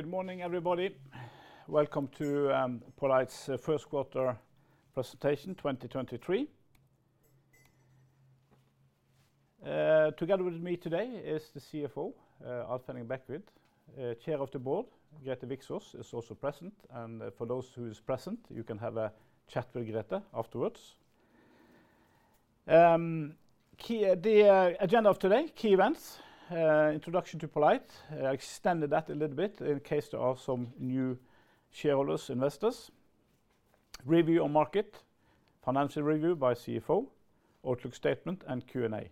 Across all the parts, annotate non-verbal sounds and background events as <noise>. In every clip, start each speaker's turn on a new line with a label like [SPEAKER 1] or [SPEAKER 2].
[SPEAKER 1] Good morning, everybody. Welcome to poLight's First Quarter Presentation 2023. Together with me today is the CFO, Alf Henning Bekkevik. Chair of the Board, Grethe Viksaas, is also present, and for those who is present, you can have a chat with Grete afterwards. The agenda of today, key events, introduction to poLight. I extended that a little bit in case there are some new shareholders, investors. Review on market, financial review by CFO, outlook statement, and Q&A.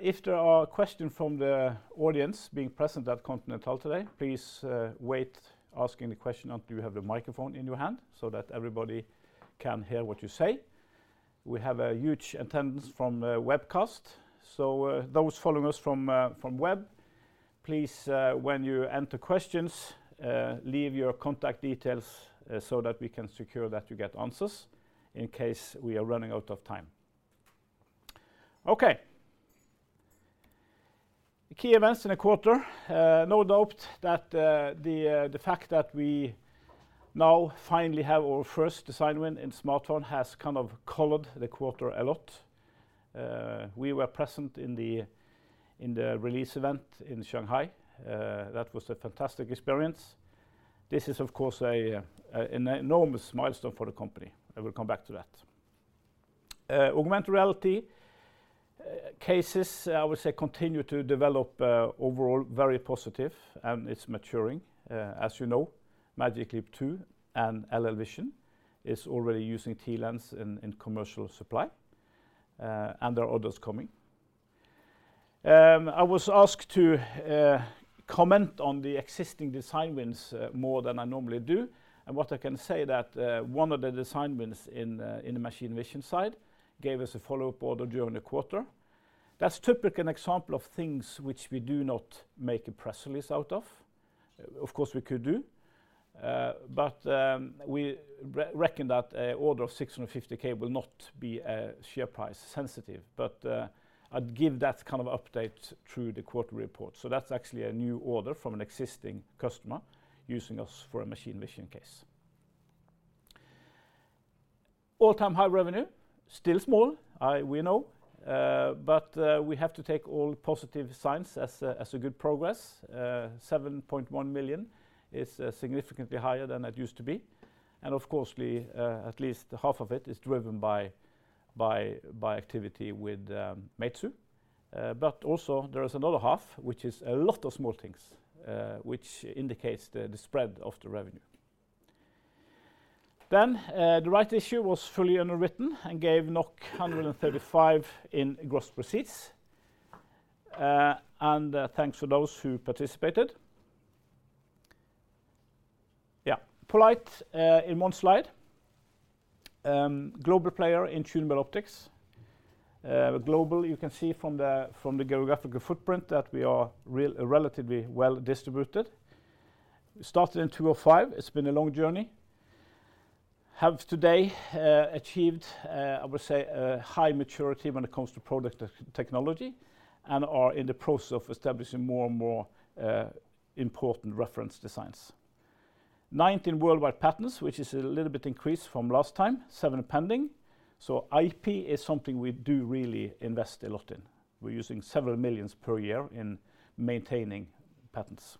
[SPEAKER 1] If there are questions from the audience being present at Continental today, please wait asking the question until you have the microphone in your hand, so that everybody can hear what you say. We have a huge attendance from webcast. Those following us from web, please, when you enter questions, leave your contact details, so that we can secure that you get answers in case we are running out of time. Okay. The key events in a quarter, no doubt that the fact that we now finally have our first design win in smartphone has kind of colored the quarter a lot. We were present in the release event in Shanghai. That was a fantastic experience. This is of course an enormous milestone for the company. I will come back to that. Augmented Reality cases, I would say, continue to develop overall very positive, and it's maturing. As you know, Magic Leap 2 and LLVISION are already using TLens in commercial supply, and there are others coming. I was asked to comment on the existing design wins more than I normally do. What I can say that one of the design wins in the machine vision side gave us a follow-up order during the quarter. That's typically an example of things which we do not make a press release out of. Of course, we could do, but we re-reckon that a order of 650,000 will not be share price sensitive. I'd give that kind of update through the quarter report. That's actually a new order from an existing customer using us for a machine vision case. All-time high revenue, still small, we know, we have to take all positive signs as a good progress. 7.1 million is significantly higher than it used to be. Of course, we, at least half of it is driven by activity with Meizu. Also there is another half, which is a lot of small things, which indicates the spread of the revenue. The right issue was fully underwritten and gave 135 in gross proceeds. Thanks for those who participated. poLight, in one slide. Global player in tunable optics. Global, you can see from the geographical footprint that we are relatively well distributed. Started in 2005, it's been a long journey. Have today achieved, I would say a high maturity when it comes to product technology and are in the process of establishing more and more important reference designs. 19 worldwide patents, which is a little bit increase from last time, seven pending. IP is something we do really invest a lot in. We're using several million per year in maintaining patents.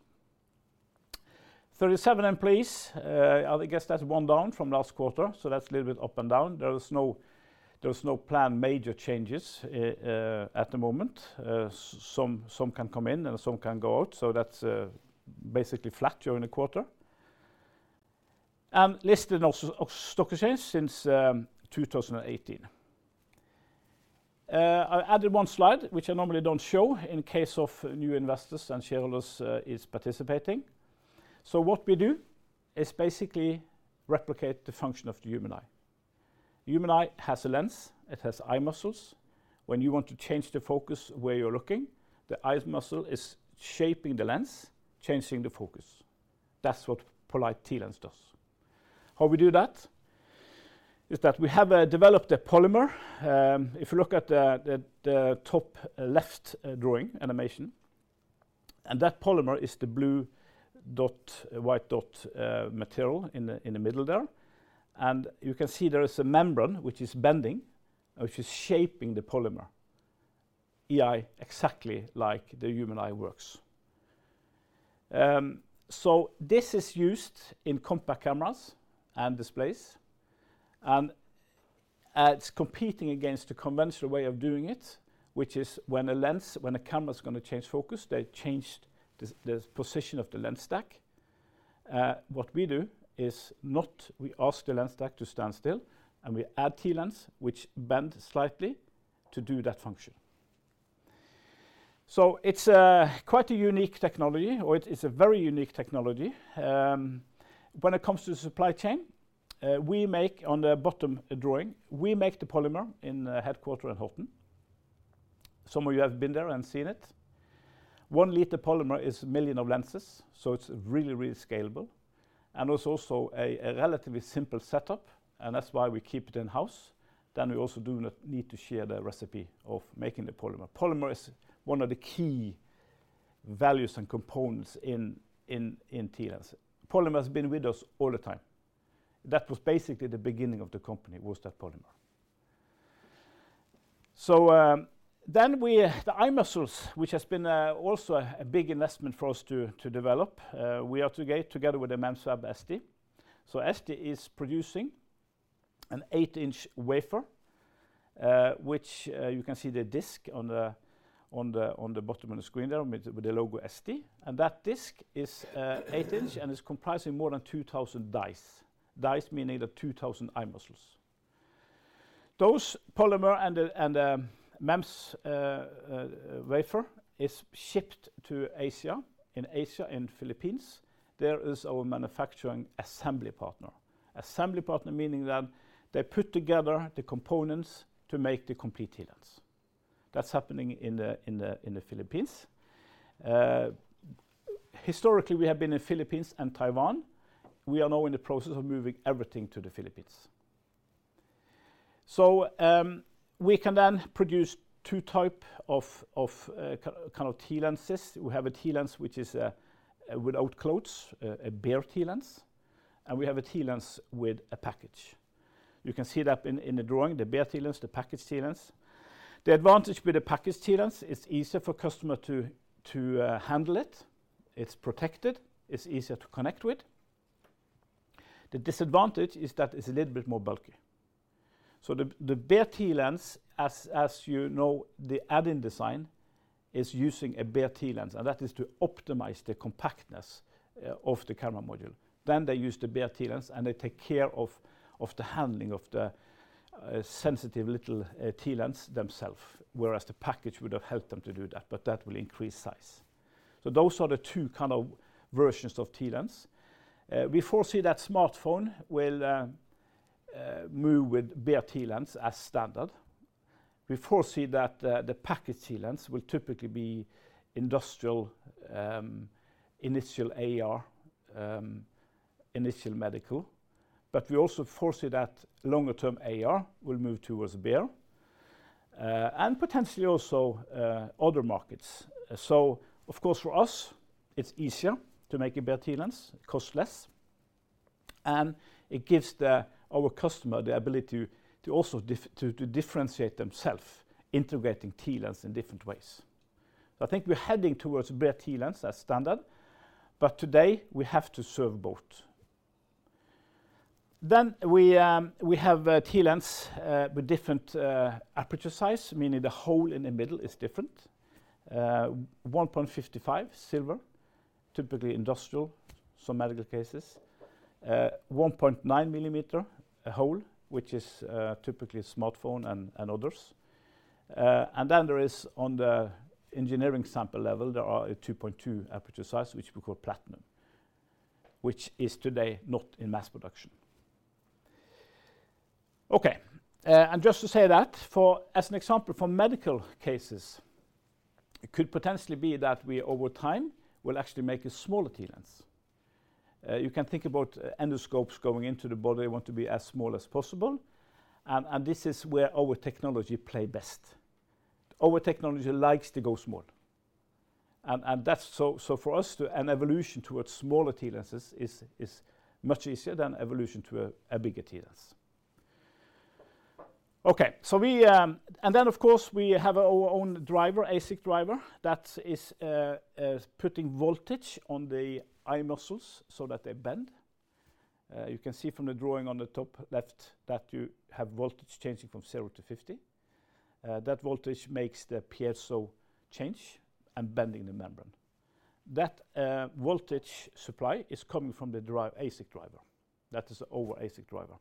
[SPEAKER 1] 37 employees, I guess that's one down from last quarter, so that's a little bit up and down. There is no planned major changes at the moment. Some can come in and some can go out, so that's basically flat during the quarter. Listed on Oslo Stock Exchange since 2018. I added 1 slide, which I normally don't show in case of new investors and shareholders is participating. What we do is basically replicate the function of the human eye. Human eye has a lens, it has eye muscles. When you want to change the focus where you're looking, the eye's muscle is shaping the lens, changing the focus. That's what poLight TLens does. How we do that is that we have developed a polymer. If you look at the, the top left drawing animation, that polymer is the blue dot, white dot material in the, in the middle there. You can see there is a membrane which is bending, which is shaping the polymer exactly like the human eye works. This is used in compact cameras and displays, and it's competing against the conventional way of doing it, which is when a lens, when a camera's gonna change focus, they change the position of the lens stack. What we do is not, we ask the lens stack to stand still, and we add TLens, which bend slightly to do that function. It's quite a unique technology, or it is a very unique technology. When it comes to supply chain, we make on the bottom drawing, we make the polymer in the headquarter at Horten. Some of you have been there and seen it. 1 liter polymer is million of lenses, it's really, really scalable. Also a relatively simple setup, that's why we keep it in-house, we also do not need to share the recipe of making the polymer. Polymer is one of the key values and components in TLens. Polymer's been with us all the time. That was basically the beginning of the company was that polymer. The iMuscles, which has been also a big investment for us to develop, we are together with the MEMS fab ST. ST is producing an eight-inch wafer, which you can see the disk on the bottom of the screen there with the logo ST. That disk is eight-inch and is comprising more than 2,000 dice. Dice meaning the 2,000 iMuscles. Those polymer and the MEMS wafer is shipped to Asia. In Asia, in Philippines, there is our manufacturing assembly partner. Assembly partner meaning that they put together the components to make the complete TLens. That's happening in the Philippines. Historically, we have been in Philippines and Taiwan. We are now in the process of moving everything to the Philippines. We can then produce two type of kind of TLenses. We have a TLens which is without clothes, a bare TLens, and we have a TLens with a package. You can see that in the drawing, the bare TLens, the package TLens. The advantage with the package TLens is easier for customer to handle it. It's protected, it's easier to connect with. The disadvantage is that it's a little bit more bulky. The bare TLens, as you know, the Add-In design is using a bare TLens, and that is to optimize the compactness of the camera module. They use the bare TLens, and they take care of the handling of the sensitive little TLens themselves, whereas the package would have helped them to do that, but that will increase size. Those are the two kind of versions of TLens. We foresee that smartphone will move with bare TLens as standard. We foresee that the package TLens will typically be industrial, initial AR, initial medical, but we also foresee that longer-term AR will move towards bare and potentially also other markets. Of course, for us, it's easier to make a bare TLens, it costs less, and it gives our customer the ability to differentiate themselves, integrating TLens in different ways. I think we're heading towards bare TLens as standard, but today we have to serve both. We have TLens with different aperture size, meaning the hole in the middle is different. 1.55 Silver, typically industrial, some medical cases. 1.9 millimeter hole, which is typically smartphone and others. On the engineering sample level, there are a 2.2 aperture size, which we call Platinum, which is today not in mass production. Okay, and just to say that as an example, for medical cases, it could potentially be that we over time will actually make a smaller TLens. You can think about endoscopes going into the body. They want to be as small as possible, and this is where our technology play best. Our technology likes to go small. That's so for us an evolution towards smaller TLenses is much easier than evolution to a bigger TLens. Okay. We. Then of course, we have our own driver, ASIC driver, that is putting voltage on the iMuscles so that they bend. You can see from the drawing on the top left that you have voltage changing from 0 to 50. That voltage makes the piezo change and bending the membrane. That voltage supply is coming from the ASIC driver. That is our ASIC driver.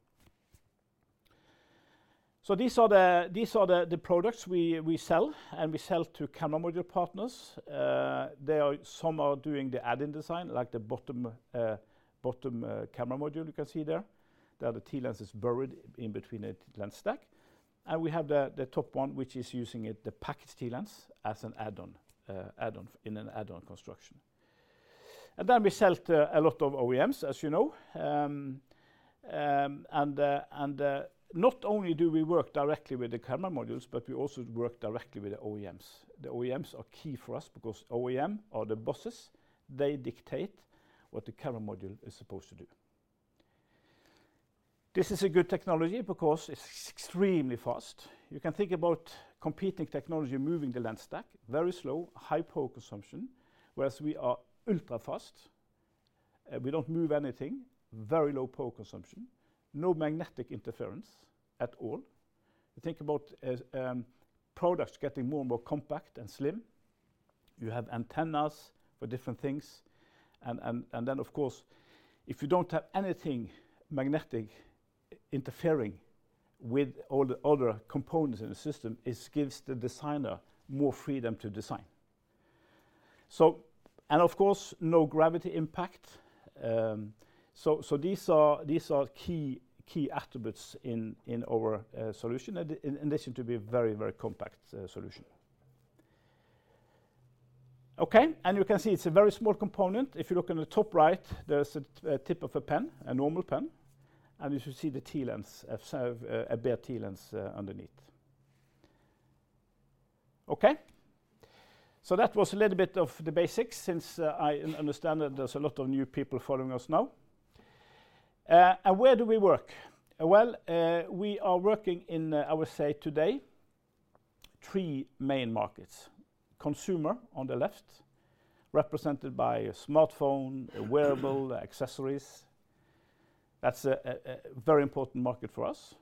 [SPEAKER 1] These are the products we sell, and we sell to camera module partners. They are some are doing the Add-In design, like the bottom camera module you can see there. There the TLens is buried in between a TLens stack. We have the top one, which is using it, the package TLens, as an Add-On, in an Add-On construction. Then we sell to a lot of OEMs, as you know. Not only do we work directly with the camera modules, but we also work directly with the OEMs. The OEMs are key for us because OEM are the bosses. They dictate what the camera module is supposed to do. This is a good technology because it's extremely fast. You can think about competing technology moving the lens stack, very slow, high power consumption, whereas we are ultra-fast. We don't move anything, very low power consumption, no magnetic interference at all. Think about products getting more and more compact and slim. You have antennas for different things and then of course, if you don't have anything magnetic interfering with all the other components in the system, it gives the designer more freedom to design. Of course, no gravity impact. So these are key attributes in our solution, in addition to be a very compact solution. Okay. You can see it's a very small component. If you look on the top right, there's a tip of a pen, a normal pen, and you should see the TLens, so, a bare TLens underneath. Okay. That was a little bit of the basics since I understand that there's a lot of new people following us now. Where do we work? Well, we are working in, I would say today, three main markets. Consumer on the left, represented by a smartphone, a wearable, accessories. That's a very important market for us.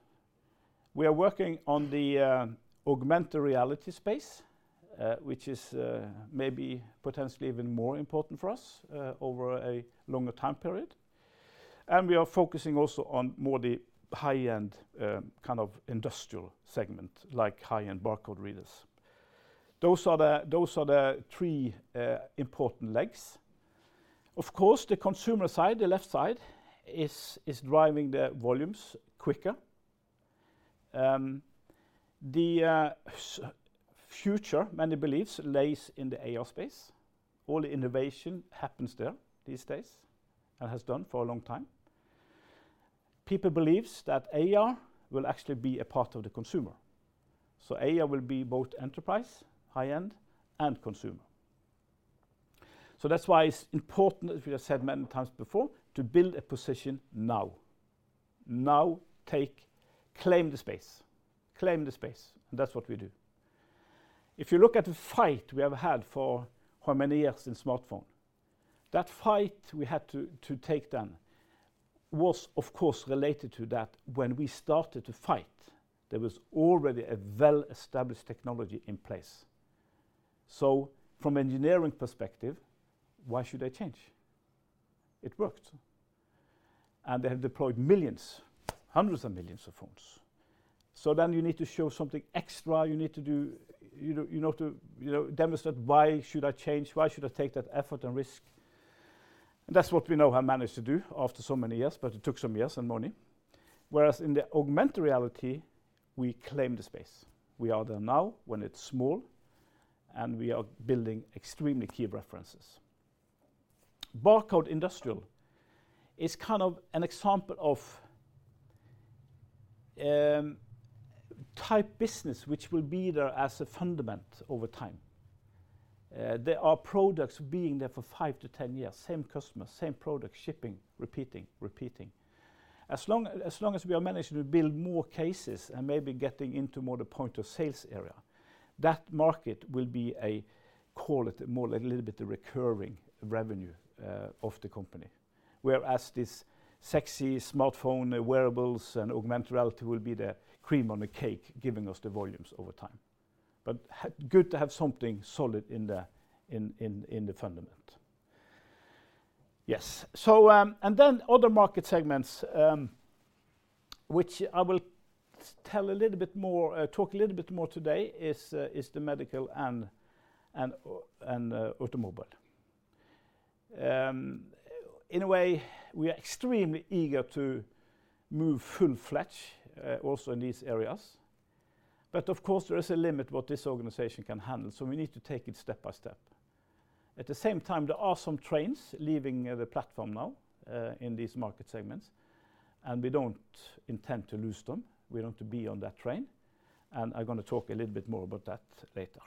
[SPEAKER 1] We are working on the augmented reality space, which is maybe potentially even more important for us over a longer time period. We are focusing also on more the high-end kind of industrial segment, like high-end barcode readers. Those are the three important legs. Of course, the consumer side, the left side, is driving the volumes quicker. The future, many believes, lays in the AR space. All innovation happens there these days, and has done for a long time. People believes that AR will actually be a part of the consumer. AR will be both enterprise, high-end, and consumer. That's why it's important, as we have said many times before, to build a position now. Now claim the space. Claim the space, that's what we do. If you look at the fight we have had for how many years in smartphone, that fight we had to take then was, of course, related to that when we started to fight, there was already a well-established technology in place. From engineering perspective, why should I change? It worked. They have deployed millions, hundreds of millions of phones. You need to show something extra. You need to do, you know, demonstrate why should I change? Why should I take that effort and risk? That's what we now have managed to do after so many years, but it took some years and money. Whereas in the augmented reality, we claim the space. We are there now when it's small, and we are building extremely key references. Barcode Industrial is kind of an example of type business which will be there as a fundament over time. There are products being there for 5-10 years, same customer, same product, shipping, repeating. As long as we are managing to build more cases and maybe getting into more the point of sales area, that market will be a, call it more like a little bit the recurring revenue of the company. Whereas this sexy smartphone, wearables, and augmented reality will be the cream on the cake, giving us the volumes over time. Good to have something solid in the fundament. Yes. Other market segments which I will tell a little bit more, talk a little bit more today is the medical and automobile. In a way, we are extremely eager to move full-fledged also in these areas. Of course, there is a limit what this organization can handle, so we need to take it step by step. At the same time, there are some trains leaving the platform now, in these market segments, and we don't intend to lose them. We want to be on that train, and I'm gonna talk a little bit more about that later.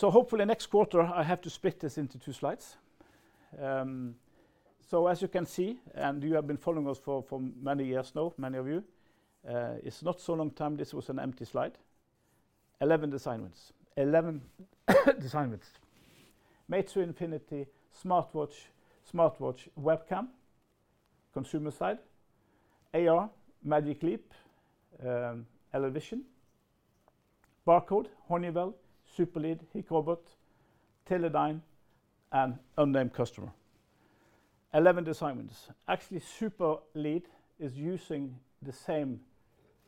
[SPEAKER 1] Hopefully next quarter, I have to split this into two slides. As you can see, and you have been following us for many years now, many of you, it's not so long time this was an empty slide. 11 assignments. 11 assignments. Meizu 20 Infinity, smartwatch, webcam, consumer side, AR, Magic Leap, LLVISION, Barcode, Honeywell, SuperLead, Hikrobot, Teledyne, and unnamed customer. 11 assignments. Actually, SuperLead is using the same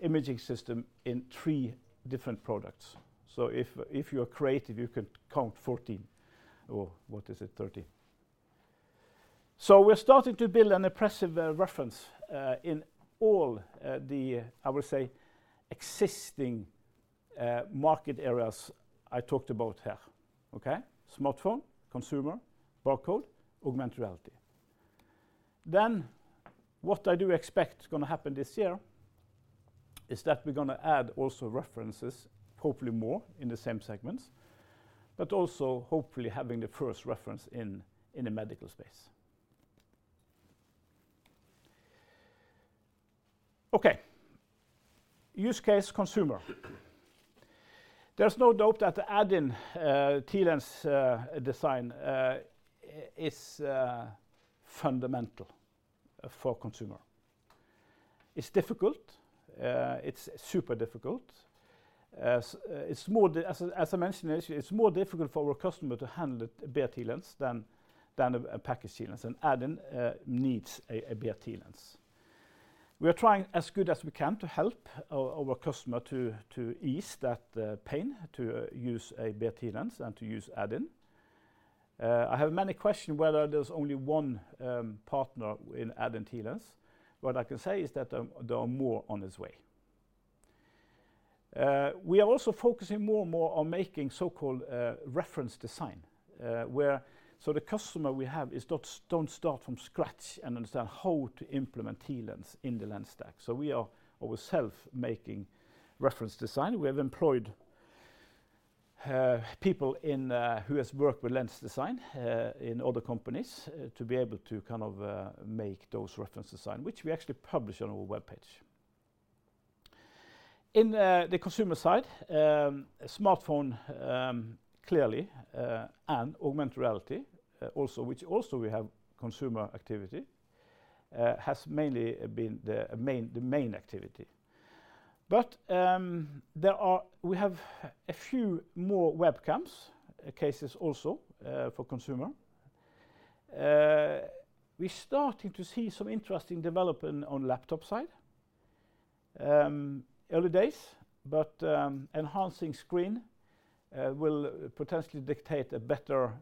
[SPEAKER 1] imaging system in three different products. If, if you are creative, you could count 14, or what is it, 13. We're starting to build an impressive reference in all the, I will say, existing market areas I talked about here. Okay. Smartphone, consumer, barcode, augmented reality. What I do expect gonna happen this year is that we're gonna add also references, hopefully more in the same segments, but also hopefully having the first reference in a medical space. Okay. Use case consumer. There's no doubt that adding TLens design is fundamental for consumer. It's difficult. It's super difficult. as I mentioned, it's more difficult for a customer to handle the bare TLens than a packaged TLens, and adding needs a bare TLens. We are trying as good as we can to help our customer to ease that pain to use a bare TLens and to use Add-In. I have many question whether there's only one partner in Add-In TLens. What I can say is that there are more on its way. We are also focusing more and more on making so-called reference design, so the customer we have is don't start from scratch and understand how to implement TLens in the lens stack. We are ourself making reference design. We have employed people in who has worked with lens design in other companies to be able to kind of make those reference design, which we actually publish on our webpage. In the consumer side, smartphone, clearly, and augmented reality, also which also we have consumer activity, has mainly been the main activity. We have a few more webcams cases also for consumer. We're starting to see some interesting development on laptop side. Early days, but enhancing screen will potentially dictate a better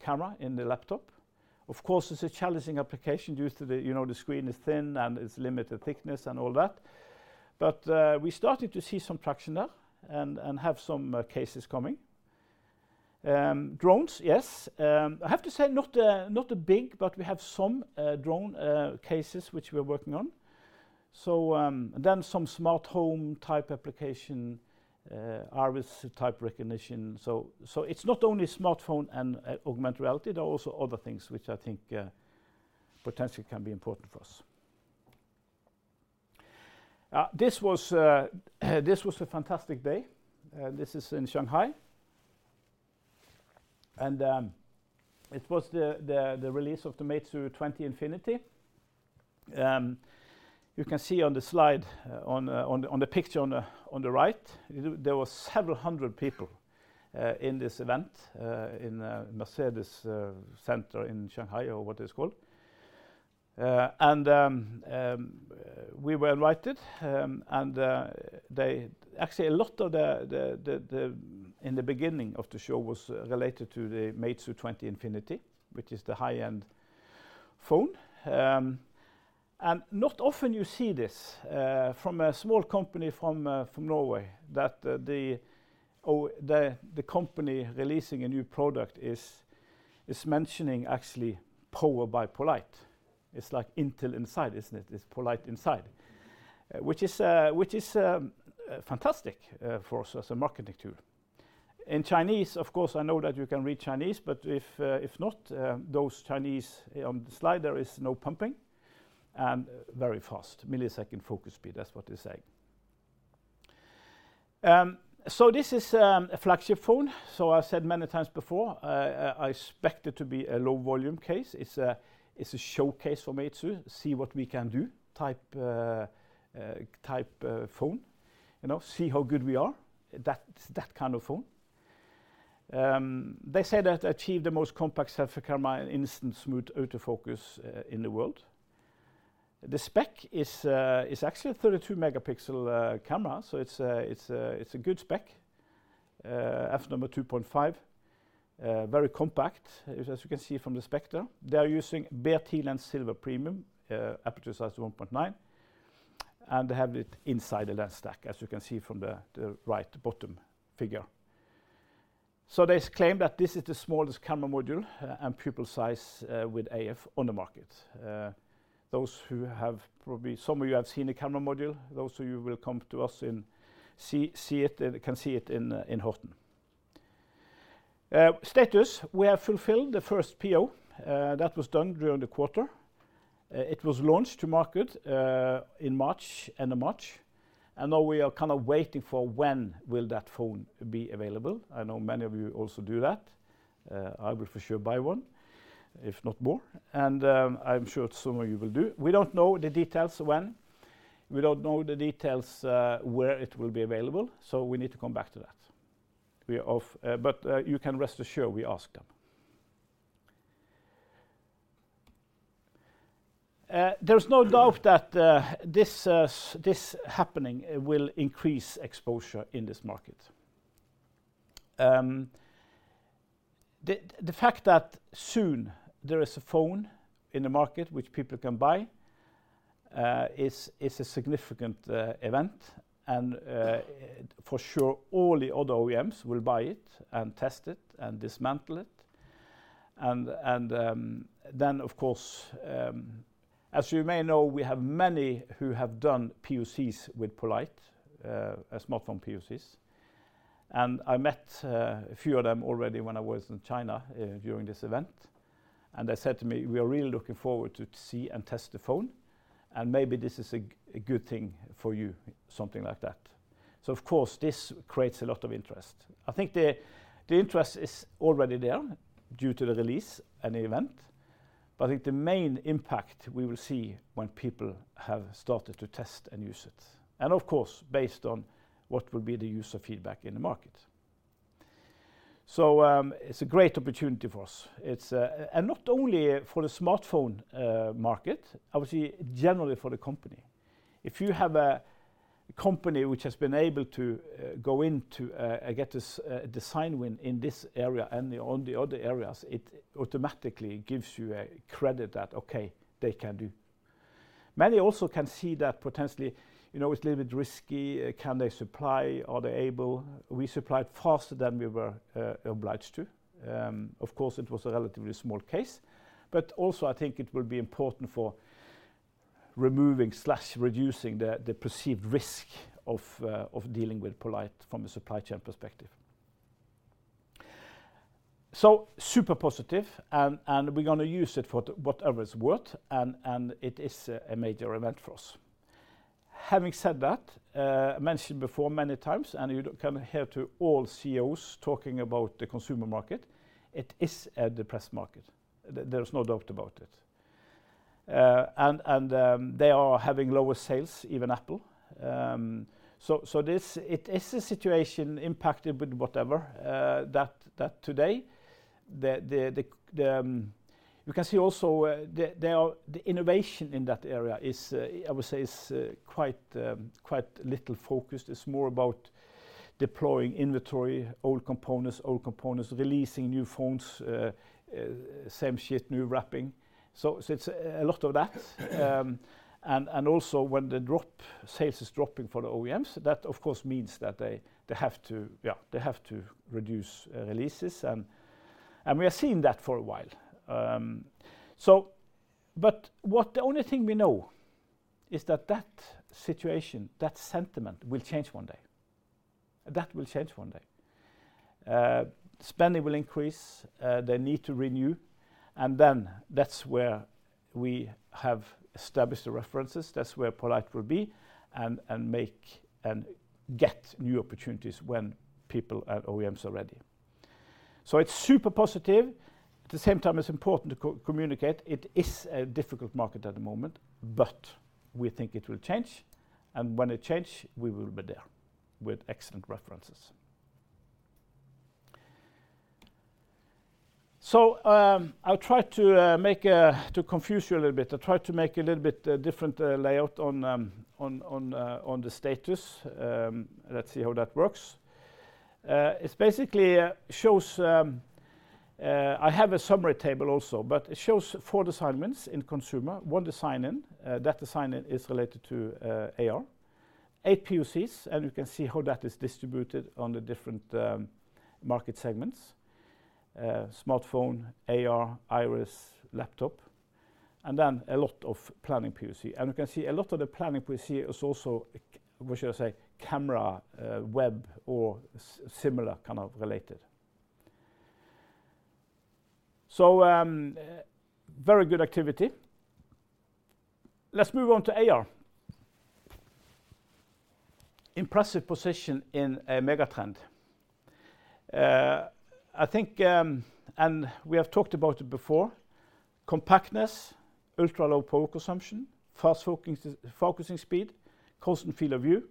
[SPEAKER 1] camera in the laptop. Of course, it's a challenging application due to the, you know, the screen is thin, and it's limited thickness and all that. We're starting to see some traction there and have some cases coming. Drones, yes. I have to say not big, but we have some drone cases which we're working on. Then some smart home type application, iris type recognition. It's not only smartphone and Augmented Reality, there are also other things which I think potentially can be important for us. This was a fantastic day. This is in Shanghai. It was the release of the Meizu 20 Infinity. You can see on the slide on the picture on the right, there were several hundred people in this event in Mercedes-Benz Arena in Shanghai or what it's called. We were invited, and actually a lot of the beginning of the show was related to the Meizu 20 Infinity, which is the high-end phone. Not often you see this from a small company from Norway that the company releasing a new product is mentioning actually powered by poLight. It's like Intel Inside, isn't it? It's poLight Inside. Which is fantastic for us as a marketing tool. In Chinese, of course, I know that you can read Chinese, but if not, those Chinese on the slide, there is no pumping very fast. Millisecond focus speed, that's what they say. This is a flagship phone. I said many times before, I expect it to be a low volume case. It's a showcase for Meizu 20 Infinity, see what we can do type phone. You know, see how good we are, that kind of phone. They say that achieve the most compact selfie camera and instant smooth autofocus in the world. The spec is actually a 32-megapixel camera, so it's a good spec. F-number 2.5, very compact, as you can see from the specter. They are using bare TLens Silver premium, aperture size 1.9, and they have it inside the lens stack, as you can see from the right bottom figure. They claim that this is the smallest camera module and pupil size with AF on the market. Those who have some of you have seen the camera module, those of you will come to us and see it, can see it in Horten. Status, we have fulfilled the first PO that was done during the quarter. It was launched to market in March, end of March. Now we are kind of waiting for when will that phone be available. I know many of you also do that. I will for sure buy one, if not more. I'm sure some of you will do. We don't know the details when. We don't know the details where it will be available, so we need to come back to that. You can rest assure we ask them. There's no doubt that this happening will increase exposure in this market. The fact that soon there is a phone in the market which people can buy is a significant event and for sure all the other OEMs will buy it and test it and dismantle it. Of course, as you may know, we have many who have done POCs with poLight, smartphone POCs. I met a few of them already when I was in China during this event. They said to me, "We are really looking forward to see and test the phone, and maybe this is a good thing for you," something like that. Of course, this creates a lot of interest. I think the interest is already there due to the release and the event. I think the main impact we will see when people have started to test and use it. Of course, based on what will be the user feedback in the market. It's a great opportunity for us. It's not only for the smartphone market, obviously generally for the company. If you have a company which has been able to go into get this design win in this area and on the other areas, it automatically gives you a credit that, okay, they can do. Many also can see that potentially, you know, it's a little bit risky, can they supply? Are they able? We supplied faster than we were obliged to. Of course, it was a relatively small case, but also I think it will be important for removing/reducing the perceived risk of dealing with poLight from a supply chain perspective. Super positive, and we're gonna use it for whatever it's worth, and it is a major event for us. Having said that, I mentioned before many times, and you can hear to all CEOs talking about the consumer market, it is a depressed market. There is no doubt about it. They are having lower sales, even Apple. It is a situation impacted with whatever, that today the. You can see also the innovation in that area is I would say is quite little focused. It's more about deploying inventory, old components, releasing new phones, same, <audio distortion> new wrapping. It's a lot of that. Also when sales is dropping for the OEMs, that of course means that they have to, yeah, they have to reduce releases and we are seeing that for a while. What the only thing we know is that situation, that sentiment will change one day. That will change one day. Spending will increase, they need to renew, that's where we have established the references. That's where poLight will be and make and get new opportunities when people at OEMs are ready. It's super positive. At the same time, it's important to co-communicate. It is a difficult market at the moment, but we think it will change. When it change, we will be there with excellent references. I'll try to make to confuse you a little bit. I'll try to make a little bit different layout on the status. Let's see how that works. It basically shows, I have a summary table also, but it shows four assignments in consumer, one design-in. That design-in is related to AR. Eight POCs. You can see how that is distributed on the different market segments. Smartphone, AR, Iris, laptop, and then a lot of planning POC. You can see a lot of the planning POC is also, what should I say? Camera, web or similar kind of related. Very good activity. Let's move on to AR. Impressive position in a mega trend. I think, we have talked about it before, compactness, ultra-low power consumption, fast focusing speed, constant field of view,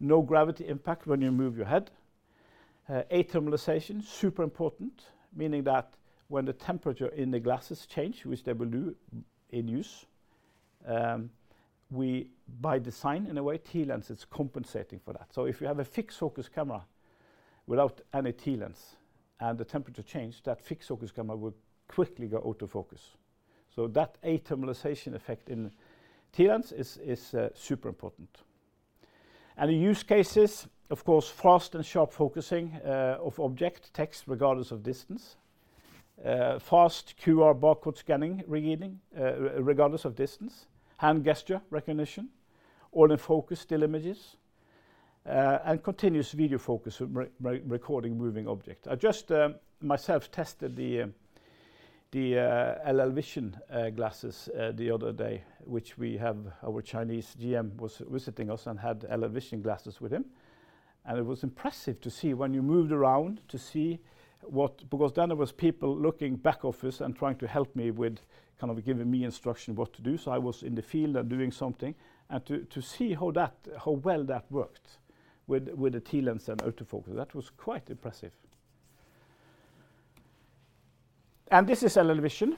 [SPEAKER 1] no gravity impact when you move your head, athermalization, super important, meaning that when the temperature in the glasses change, which they will do in use, we by design, in a way, TLens is compensating for that. If you have a fixed focus camera without any TLens and the temperature change, that fixed focus camera will quickly go out of focus. That athermalization effect in TLens is super important. The use cases, of course, fast and sharp focusing of object text regardless of distance, fast QR barcode scanning, reading regardless of distance, hand gesture recognition, all in focus still images and continuous video focus re-recording moving object. I just myself tested the LLVISION glasses the other day, which we have our Chinese GM was visiting us and had LLVISION glasses with him. It was impressive to see when you moved around to see what because then there was people looking back office and trying to help me with kind of giving me instruction what to do. I was in the field and doing something and to see how well that worked with the TLens and autofocus, that was quite impressive. This is LLVISION.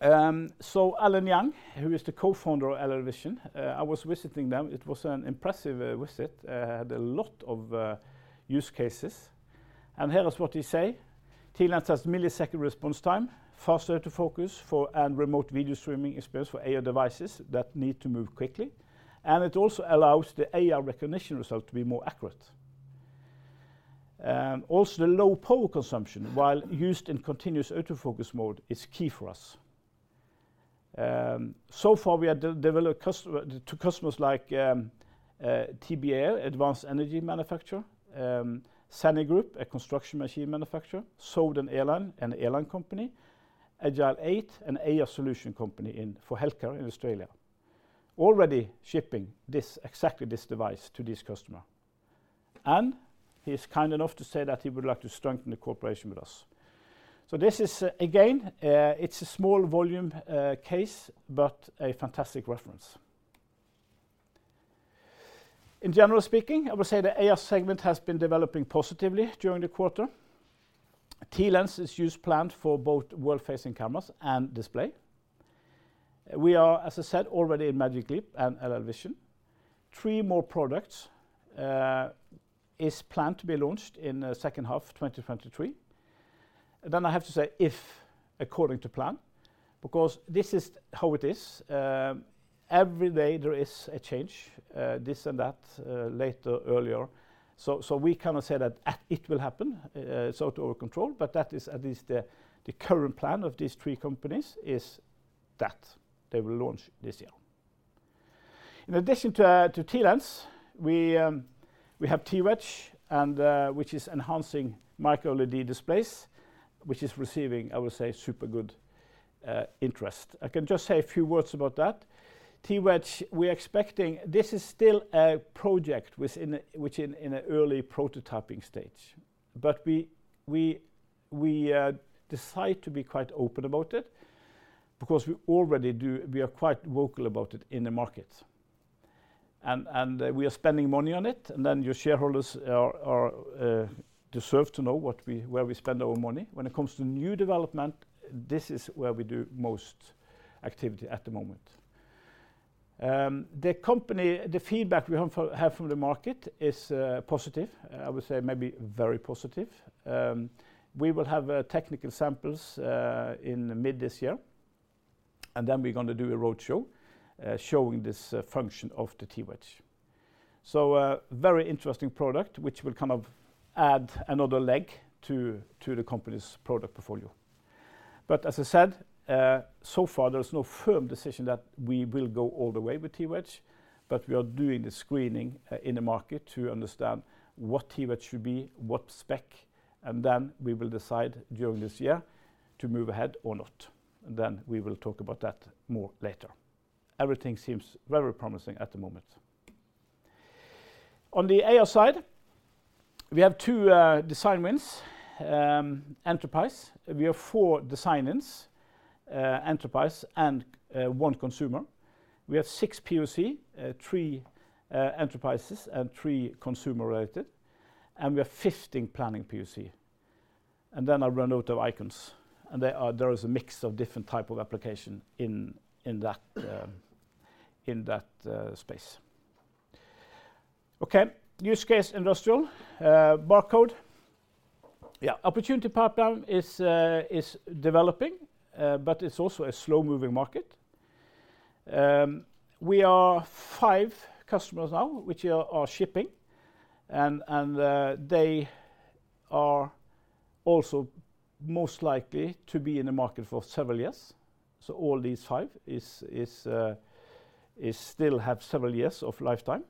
[SPEAKER 1] Allan Liang, who is the Co-Founder of LLVISION, I was visiting them. It was an impressive visit. Had a lot of use cases. Here is what he say, "TLens has millisecond response time, faster to focus for and remote video streaming experience for AR devices that need to move quickly. It also allows the AR recognition result to be more accurate. Also the low power consumption while used in continuous autofocus mode is key for us. So far we have to customers like TBEA, advanced energy manufacturer, SANY Group, a construction machine manufacturer, China Southern Airlines, an airline company, Agile8, an AR solution company for healthcare in Australia. Already shipping this, exactly this device to this customer. He's kind enough to say that he would like to strengthen the cooperation with us. This is again, it's a small volume case, but a fantastic reference. In general speaking, I would say the AR segment has been developing positively during the quarter. A TLens is used planned for both world-facing cameras and display. We are, as I said, already in Magic Leap and LLVISION. Three more products is planned to be launched in second half 2023. I have to say if according to plan, because this is how it is. Every day there is a change, this and that, later, earlier. We cannot say that at it will happen, it's out of our control, but that is at least the current plan of these three companies is that they will launch this year. In addition to to TLens, we have TWedge, and which is enhancing micro-LED displays, which is receiving, I would say, super good interest. I can just say a few words about that. TWedge, we're expecting this is still a project within an early prototyping stage. We decide to be quite open about it because we already we are quite vocal about it in the market. We are spending money on it, your shareholders are deserve to know where we spend our money. When it comes to new development, this is where we do most activity at the moment. The feedback we have from the market is positive. I would say maybe very positive. We will have technical samples in mid this year, we're gonna do a roadshow showing this function of the TWedge. A very interesting product which will kind of add another leg to the company's product portfolio. As I said, so far, there is no firm decision that we will go all the way with TWedge, we are doing the screening in the market to understand what TWedge should be, what spec, we will decide during this year to move ahead or not. We will talk about that more later. Everything seems very promising at the moment. On the AR side, we have two design wins, enterprise. We have four design-ins, enterprise and one consumer. We have six POC, three enterprises and three consumer-related, and we have 15 planning POC. I run out of icons, and there is a mix of different type of application in that space. Okay. Use case industrial, barcode. Yeah. Opportunity pipeline is developing. It's also a slow-moving market. We are five customers now which are shipping and they are also most likely to be in the market for several years. All these five is still have several years of lifetime.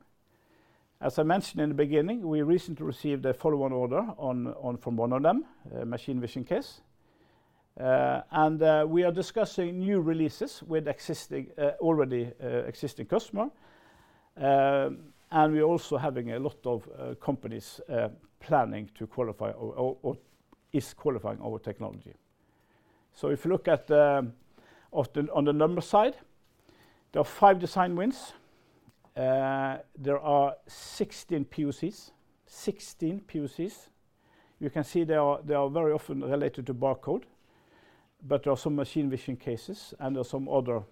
[SPEAKER 1] As I mentioned in the beginning, we recently received a follow-on order from one of them, a machine vision case. We are discussing new releases with existing, already, existing customer. We're also having a lot of companies planning to qualify or is qualifying our technology. If you look at the on the number side, there are five design wins. There are 16 POCs. 16 POCs. You can see they are very often related to barcode, but there are some machine vision cases, and there are some other,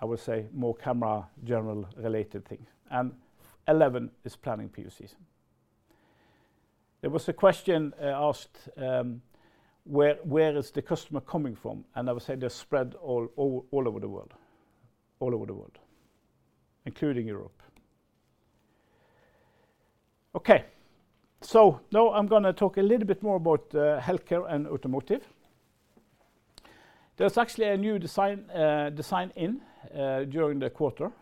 [SPEAKER 1] I would say, more camera general-related things. LLVISION is planning POCs. There was a question asked where is the customer coming from? I would say they're spread all over the world. All over the world, including Europe. Now I'm gonna talk a little bit more about healthcare and automotive. There's actually a new design design-in during the quarter.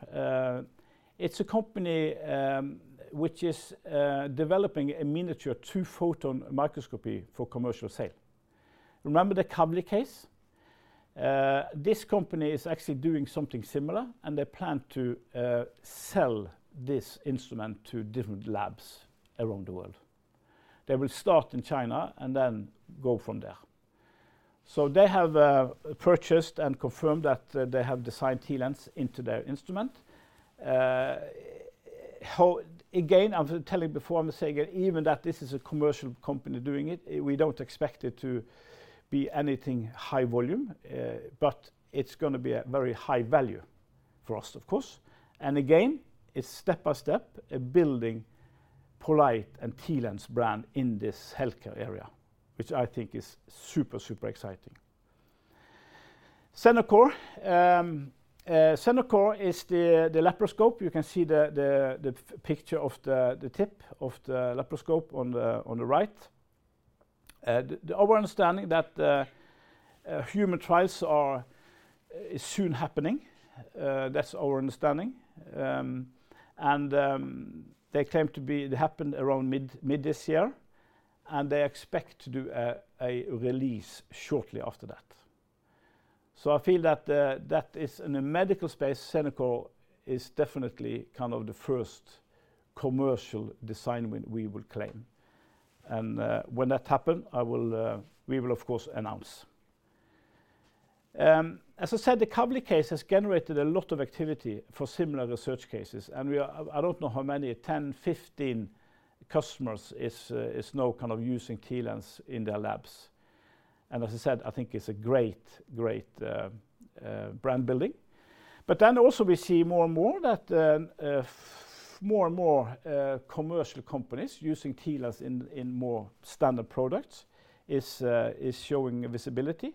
[SPEAKER 1] It's a company which is developing a miniature two-photon microscopy for commercial sale. Remember the Kavli case? This company is actually doing something similar, and they plan to sell this instrument to different labs around the world. They will start in China and then go from there. They have purchased and confirmed that they have designed TLens into their instrument. Again, I was telling before, I'm gonna say again, even that this is a commercial company doing it, we don't expect it to be anything high volume, but it's gonna be a very high value for us, of course. Again, it's step by step building poLight and TLens brand in this healthcare area, which I think is super exciting. Senokot. Senokot is the laparoscope. You can see the picture of the tip of the laparoscope on the right. Our understanding that human trials is soon happening, that's our understanding. It happened around mid this year, and they expect to do a release shortly after that. I feel that that is in a medical space, Senokot is definitely kind of the first commercial design win we will claim. When that happen, I will we will of course announce. As I said, the Kavli case has generated a lot of activity for similar research cases, I don't know how many, 10, 15 customers is now kind of using TLens in their labs. As I said, I think it's a great brand building. Also we see more and more that more and more commercial companies using TLens in more standard products is showing visibility.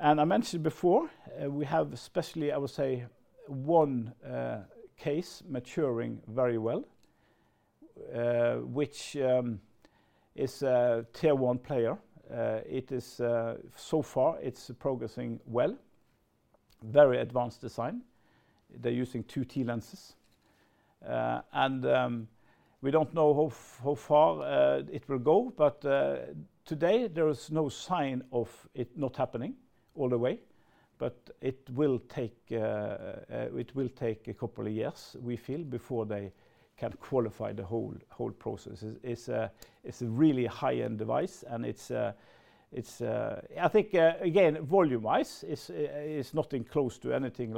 [SPEAKER 1] I mentioned before, we have especially, I would say, one case maturing very well, which is a tier one player. It is so far, it's progressing well, very advanced design. They're using two TLenses. And we don't know how far it will go, but today there is no sign of it not happening all the way, but it will take a couple of years, we feel, before they can qualify the whole process. It's a really high-end device, and it's a I think, again, volume-wise it's nothing close to anything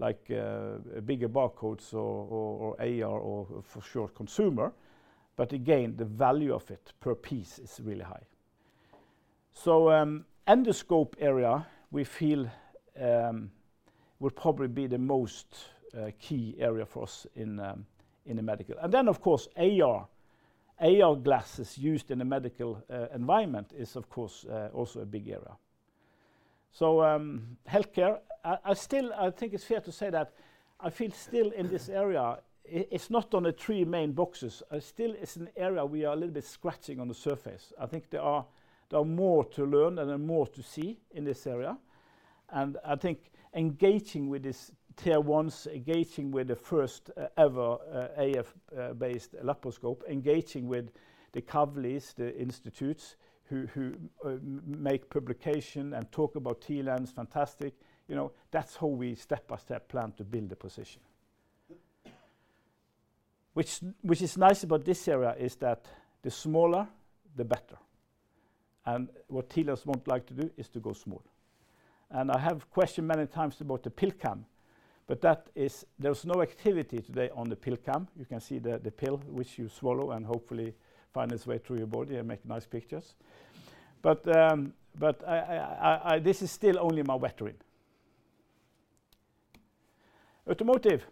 [SPEAKER 1] like bigger barcodes or AR or for sure consumer. Again, the value of it per piece is really high. Endoscope area we feel will probably be the most key area for us in the medical. Of course, AR. AR glasses used in a medical environment is, of course, also a big area. Healthcare. I still I think it's fair to say that I feel still in this area, it's not on the three main boxes. Still it's an area we are a little bit scratching on the surface. I think there are more to learn and then more to see in this area. I think engaging with these tier ones, engaging with the first ever AF based laparoscope, engaging with the Kavlis, the institutes who make publication and talk about TLens, fantastic. You know, that's how we step-by-step plan to build a position. Which is nice about this area is that the smaller, the better. What TLens won't like to do is to go small. I have question many times about the pill cam, but there's no activity today on the pill cam. You can see the pill, which you swallow and hopefully find its way through your body and make nice pictures. I, I, this is still only my wet dream. Automotive.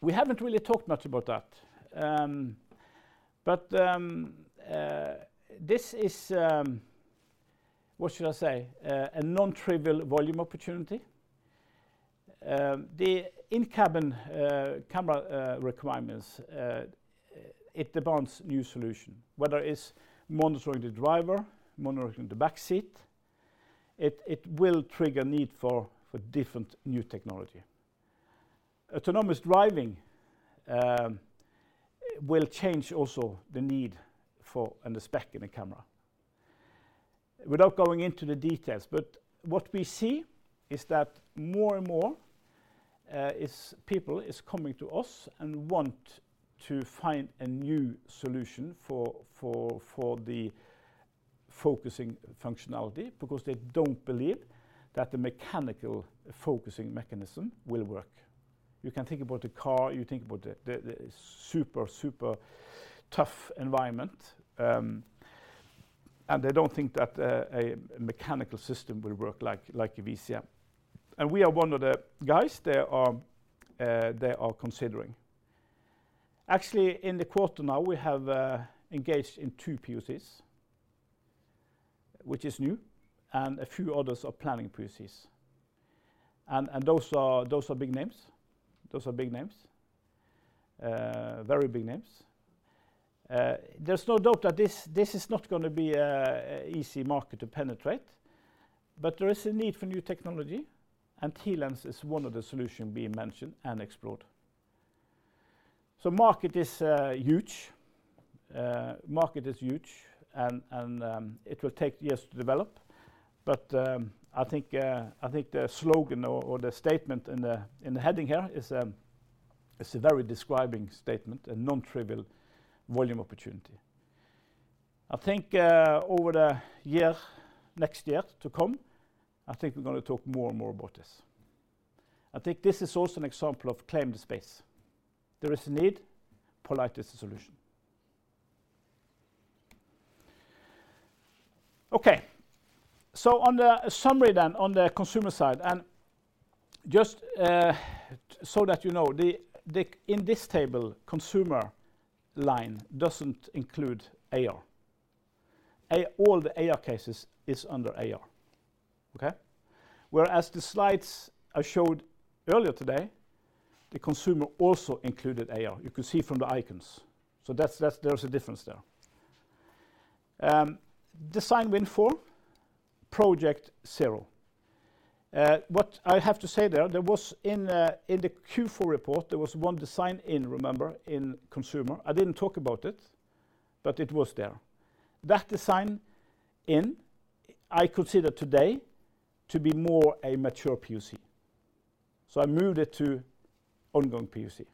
[SPEAKER 1] We haven't really talked much about that. This is, what should I say? A non-trivial volume opportunity. The in-cabin camera requirements, it demands new solution. Whether it's monitoring the driver, monitoring the back seat, it will trigger need for different new technology. Autonomous driving will change also the need for and the spec in a camera. Without going into the details, but what we see is that more and more, is people is coming to us and want to find a new solution for the focusing functionality because they don't believe that the mechanical focusing mechanism will work. You can think about the car, you think about the super tough environment, and they don't think that a mechanical system will work like a VCM. We are one of the guys they are considering. Actually, in the quarter now, we have engaged in two POCs, which is new, and a few others are planning POCs. Those are big names. Those are big names. Very big names. there's no doubt that this is not gonna be a easy market to penetrate, but there is a need for new technology, and TLens is one of the solution being mentioned and explored. market is huge. market is huge and it will take years to develop. I think, I think the slogan or the statement in the, in the heading here is a very describing statement, a non-trivial volume opportunity. I think, over the year, next year to come, I think we're gonna talk more and more about this. I think this is also an example of claim the space. There is a need, poLight is the solution. Okay. on the summary then, on the consumer side, and just, so that you know, in this table, consumer line doesn't include AR. All the AR cases is under AR. Okay? The slides I showed earlier today, the consumer also included AR. You could see from the icons. That's there is a difference there. design win form, project zero. What I have to say there was in the Q4 report, there was one design-in, remember, in consumer. I didn't talk about it, but it was there. That design-in, I consider today to be more a mature POC. I moved it to ongoing POC.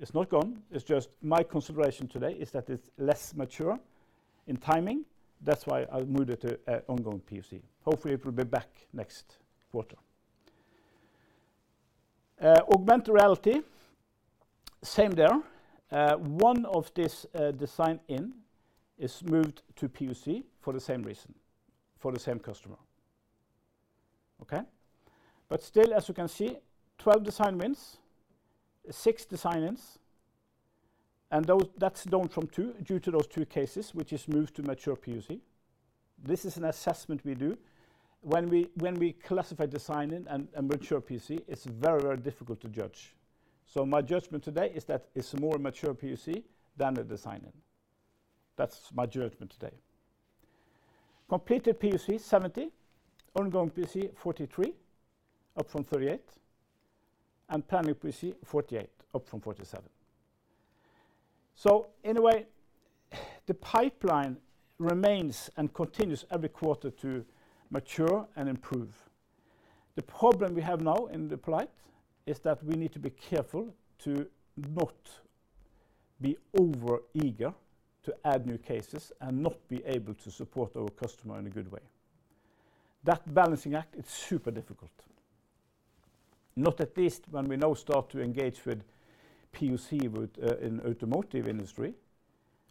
[SPEAKER 1] It's not gone, it's just my consideration today is that it's less mature in timing. That's why I moved it to ongoing POC. Hopefully it will be back next quarter. augmented reality, same there. one of this design-in is moved to POC for the same reason, for the same customer. Okay? Still, as you can see, 12 design wins, six design-ins, and that's down from two due to those two cases which is moved to mature POC. This is an assessment we do. When we classify design-in and mature POC, it's very difficult to judge. My judgment today is that it's more mature POC than a design-in. That's my judgment today. Completed POC 70, ongoing POC 43, up from 38, and planning POC 48, up from 47. In a way, the pipeline remains and continues every quarter to mature and improve. The problem we have now in the pipe is that we need to be careful to not be over-eager to add new cases and not be able to support our customer in a good way. That balancing act is super difficult. Not at least when we now start to engage with POC with in automotive industry.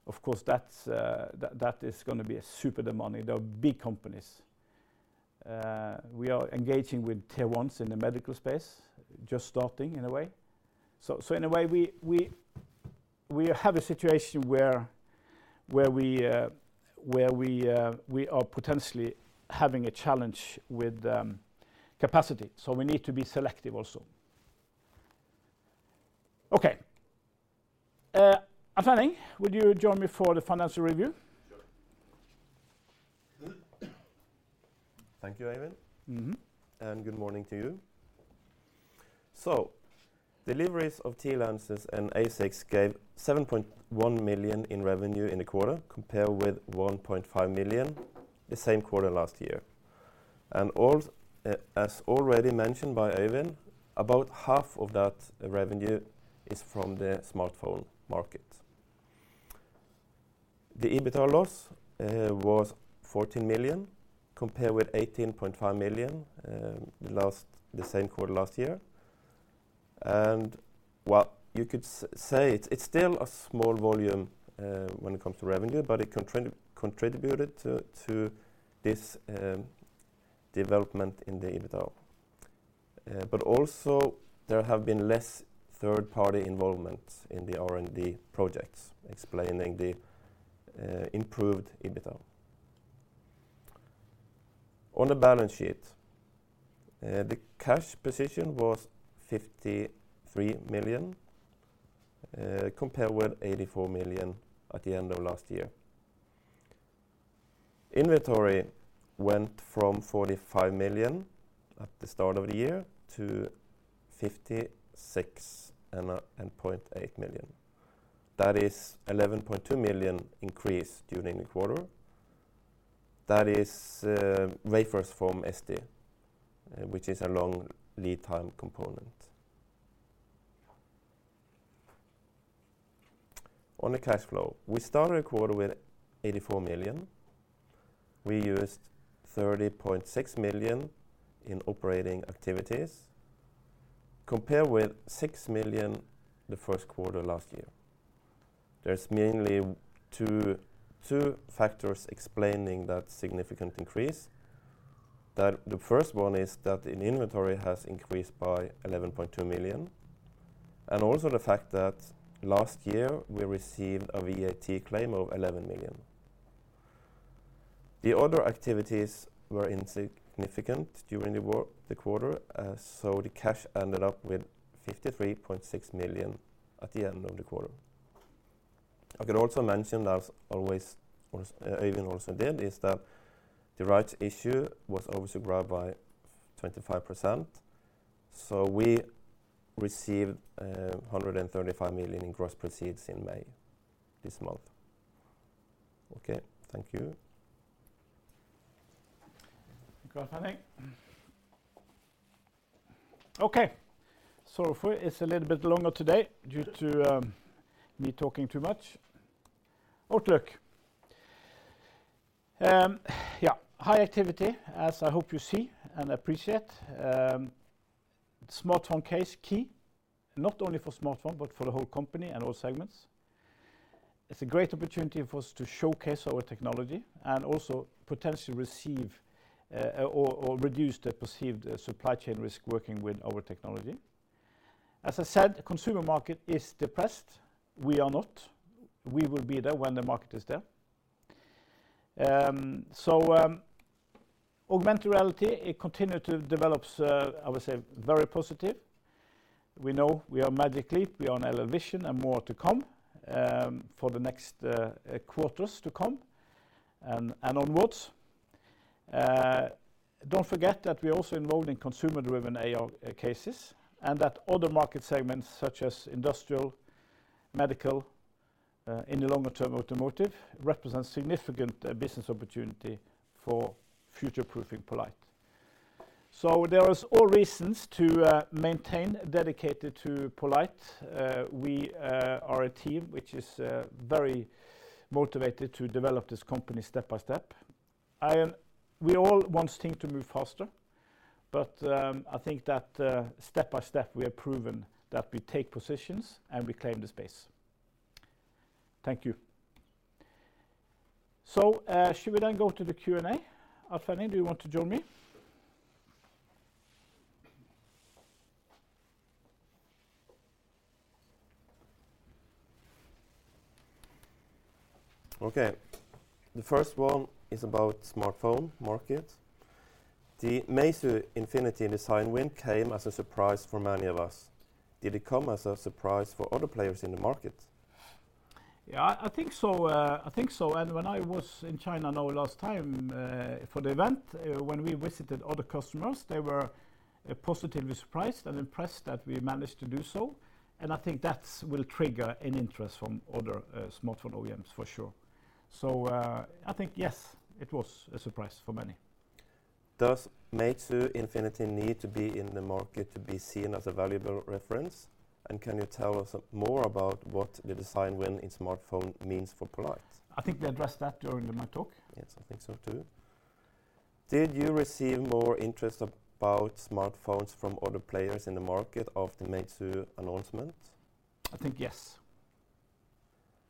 [SPEAKER 1] Of course, that's that is gonna be a super demand. They are big companies. We are engaging with tier ones in the medical space, just starting in a way. In a way, we have a situation where we are potentially having a challenge with capacity. We need to be selective also. Okay. Alf Henning, would you join me for the financial review?
[SPEAKER 2] Sure. Thank you, Øyvind.
[SPEAKER 1] Mm-hmm.
[SPEAKER 2] Good morning to you. Deliveries of TLens and ASICs gave 7.1 million in revenue in the quarter, compared with 1.5 million the same quarter last year. As already mentioned by Øyvind, about half of that revenue is from the smartphone market. The EBITDA loss was 14 million, compared with 18.5 million the same quarter last year. Well, you could say it's still a small volume when it comes to revenue, but it contributed to this development in the EBITDA. Also there have been less third-party involvement in the R&D projects, explaining the improved EBITDA. On the balance sheet, the cash position was 53 million, compared with 84 million at the end of last year. Inventory went from 45 million at the start of the year to 56.8 million. That is 11.2 million increase during the quarter. That is wafers from STMicroelectronics, which is a long lead time component. On the cash flow, we started the quarter with 84 million. We used 30.6 million in operating activities, compared with 6 million the first quarter last year. There's mainly two factors explaining that significant increase. That the first one is that the inventory has increased by 11.2 million, and also the fact that last year we received a VAT claim of 11 million. The other activities were insignificant during the quarter, the cash ended up with 53.6 million at the end of the quarter. I could also mention, as always, or Øyvind also did, is that the rights issue was oversubscribed by 25%, so we received 135 million in gross proceeds in May, this month. Okay. Thank you.
[SPEAKER 1] Thank you Alf Henning. Okay. Sorry for, it's a little bit longer today due to me talking too much. Outlook. Yeah, high activity, as I hope you see and appreciate. Smartphone case key, not only for smartphone, but for the whole company and all segments. It's a great opportunity for us to showcase our technology and also potentially receive or reduce the perceived supply chain risk working with our technology. As I said, consumer market is depressed. We are not. We will be there when the market is there. Augmented reality, it continue to develops, I would say very positive. We know we are Magic Leap, we are on LLVISION and more to come for the next quarters to come and onwards. Don't forget that we're also involved in consumer-driven AR cases and that other market segments such as industrial, medical. In the longer term, automotive represents significant business opportunity for future-proofing poLight. There is all reasons to maintain dedicated to poLight. We are a team which is very motivated to develop this company step by step. We all want things to move faster, but I think that step by step, we have proven that we take positions and we claim the space. Thank you. Should we then go to the Q&A? Alf Henning, do you want to join me?
[SPEAKER 2] Okay. The first one is about smartphone market. The Meizu Infinity design win came as a surprise for many of us. Did it come as a surprise for other players in the market?
[SPEAKER 1] Yeah, I think so. I think so. When I was in China now last time, for the event, when we visited other customers, they were positively surprised and impressed that we managed to do so, and I think that's will trigger an interest from other smartphone OEMs for sure. I think yes, it was a surprise for many.
[SPEAKER 2] Does Meizu Infinity need to be in the market to be seen as a valuable reference? Can you tell us more about what the design win in smartphone means for poLight?
[SPEAKER 1] I think we addressed that during my talk.
[SPEAKER 2] Yes, I think so too. Did you receive more interest about smartphones from other players in the market after Meizu announcement?
[SPEAKER 1] I think yes.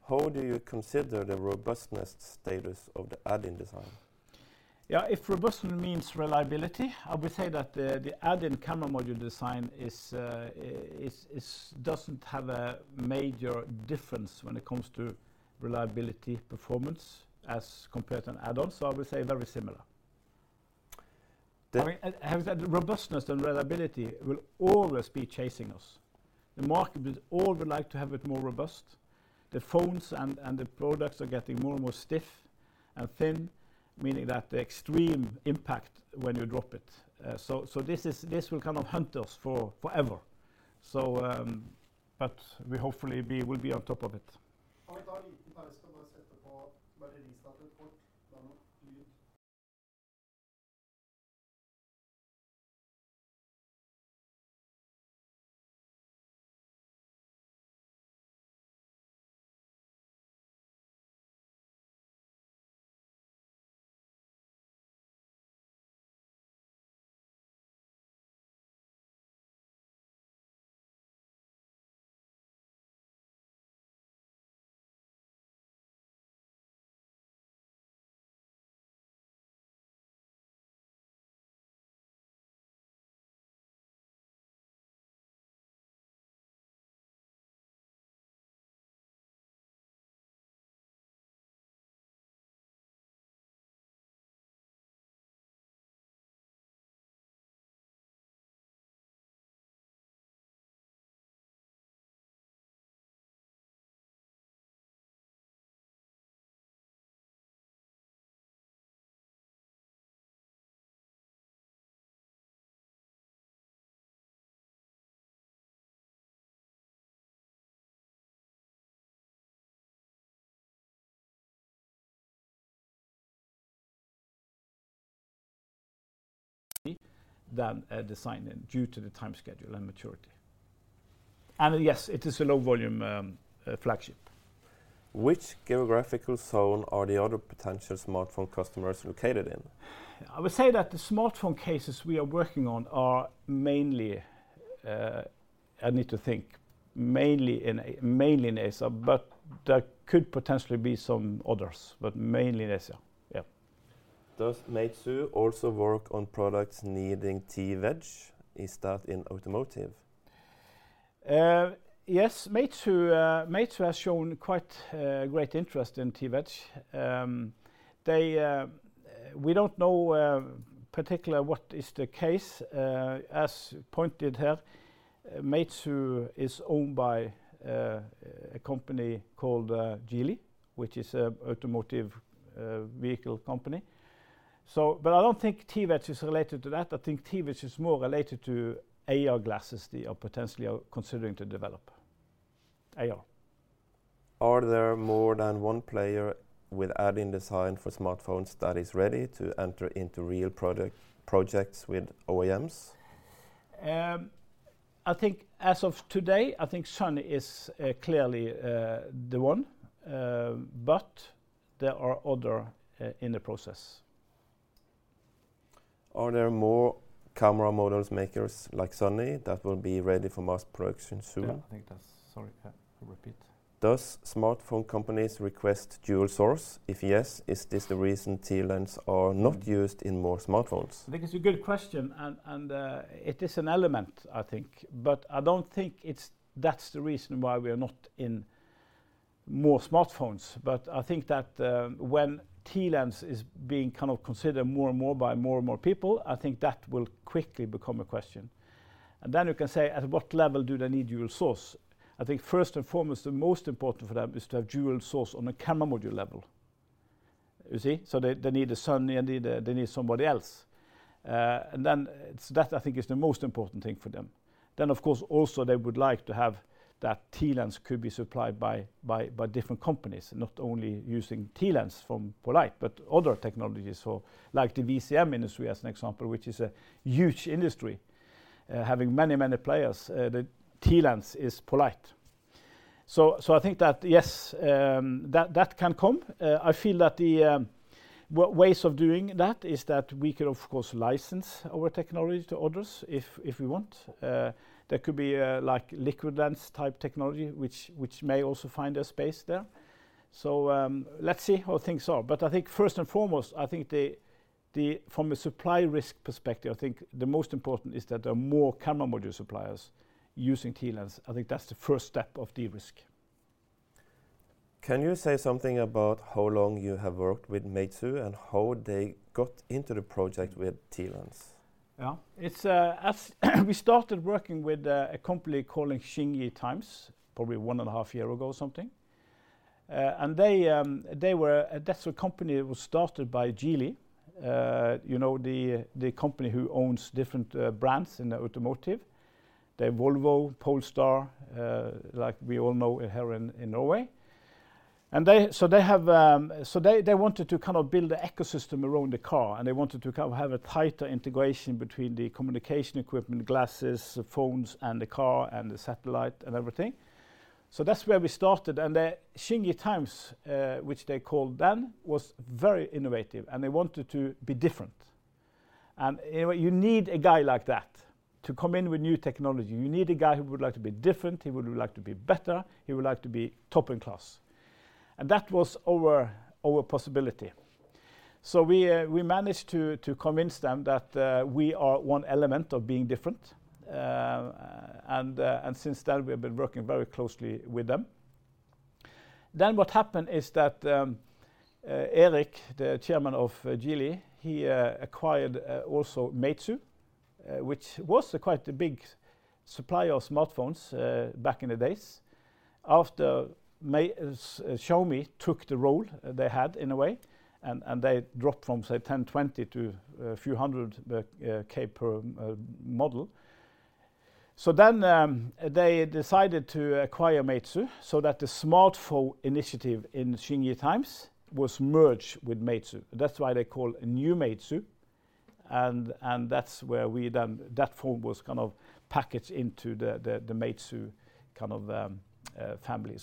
[SPEAKER 2] How do you consider the robustness status of the Add-In design?
[SPEAKER 1] Yeah, if robustness means reliability, I would say that the add-in camera module design doesn't have a major difference when it comes to reliability performance as compared to an add-on. I would say very similar.
[SPEAKER 2] The-
[SPEAKER 1] Having said, robustness and reliability will always be chasing us. The market would like to have it more robust. The phones and the products are getting more and more stiff and thin, meaning that extreme impact when you drop it. So this will kind of hunt us for forever. But we hopefully will be on top of it. Design-in due to the time schedule and maturity. Yes, it is a low volume flagship.
[SPEAKER 2] Which geographical zone are the other potential smartphone customers located in?
[SPEAKER 1] I would say that the smartphone cases we are working on are mainly, I need to think, mainly in Asia, but there could potentially be some others, but mainly in Asia. Yeah.
[SPEAKER 2] Does Meizu also work on products needing TWedge? Is that in automotive?
[SPEAKER 1] Yes. Meizu has shown quite great interest in TWedge. They, we don't know particular what is the case. As pointed here, Meizu is owned by a company called Geely, which is a automotive vehicle company. But I don't think TWedge is related to that. I think TWedge is more related to AR glasses they are potentially are considering to develop. AR.
[SPEAKER 2] Are there more than one player with Add-In design for smartphones that is ready to enter into real project, projects with OEMs?
[SPEAKER 1] I think as of today, I think Sony is clearly the one. There are other in the process.
[SPEAKER 2] Are there more camera models makers like Sony that will be ready for mass production soon?
[SPEAKER 1] Yeah, I think that's. Sorry. Yeah, repeat.
[SPEAKER 2] Does smartphone companies request dual source? If yes, is this the reason TLens are not used in more smartphones?
[SPEAKER 1] I think it's a good question, and it is an element, I think. I don't think that's the reason why we are not in more smartphones. I think that, when TLens is being kind of considered more and more by more and more people, I think that will quickly become a question. Then you can say, at what level do they need dual source? I think first and foremost, the most important for them is to have dual source on a camera module level. You see? They need a Sony and they need somebody else. Then that I think is the most important thing for them. Of course also they would like to have that TLens could be supplied by different companies, not only using TLens from poLight but other technologies. Like the VCM industry as an example, which is a huge industry, having many, many players. The TLens is poLight. I think that yes, that can come. I feel that the ways of doing that is that we could of course license our technology to others if we want. There could be like liquid lens type technology which may also find a space there. Let's see how things are. I think first and foremost, I think the from a supply risk perspective, I think the most important is that there are more camera module suppliers using TLens. I think that's the first step of de-risk.
[SPEAKER 2] Can you say something about how long you have worked with Meizu and how they got into the project with TLens?
[SPEAKER 1] Yeah. It's as we started working with a company called Xingji Shidai probably one and a half year ago or something. That's a company that was started by Geely, you know, the company who owns different brands in the automotive. They have Volvo, Polestar, like we all know here in Norway. They wanted to kind of build an ecosystem around the car, and they wanted to kind of have a tighter integration between the communication equipment, glasses, phones, and the car, and the satellite, and everything. That's where we started. The Xingji Shidai, which they called then, was very innovative, and they wanted to be different. You know what? You need a guy like that to come in with new technology. You need a guy who would like to be different, he would like to be better, he would like to be top in class. That was our possibility. We managed to convince them that we are one element of being different. Since then we've been working very closely with them. What happened is that Eric, the Chairman of Geely, he acquired also Meizu, which was quite a big supplier of smartphones back in the days. After Xiaomi took the role they had in a way, and they dropped from say 10 20 to a few hundred K per model. They decided to acquire Meizu so that the smartphone initiative in Xingji Shidai was merged with Meizu. That's why they call New Meizu, and that's where that phone was kind of packaged into the Meizu kind of family.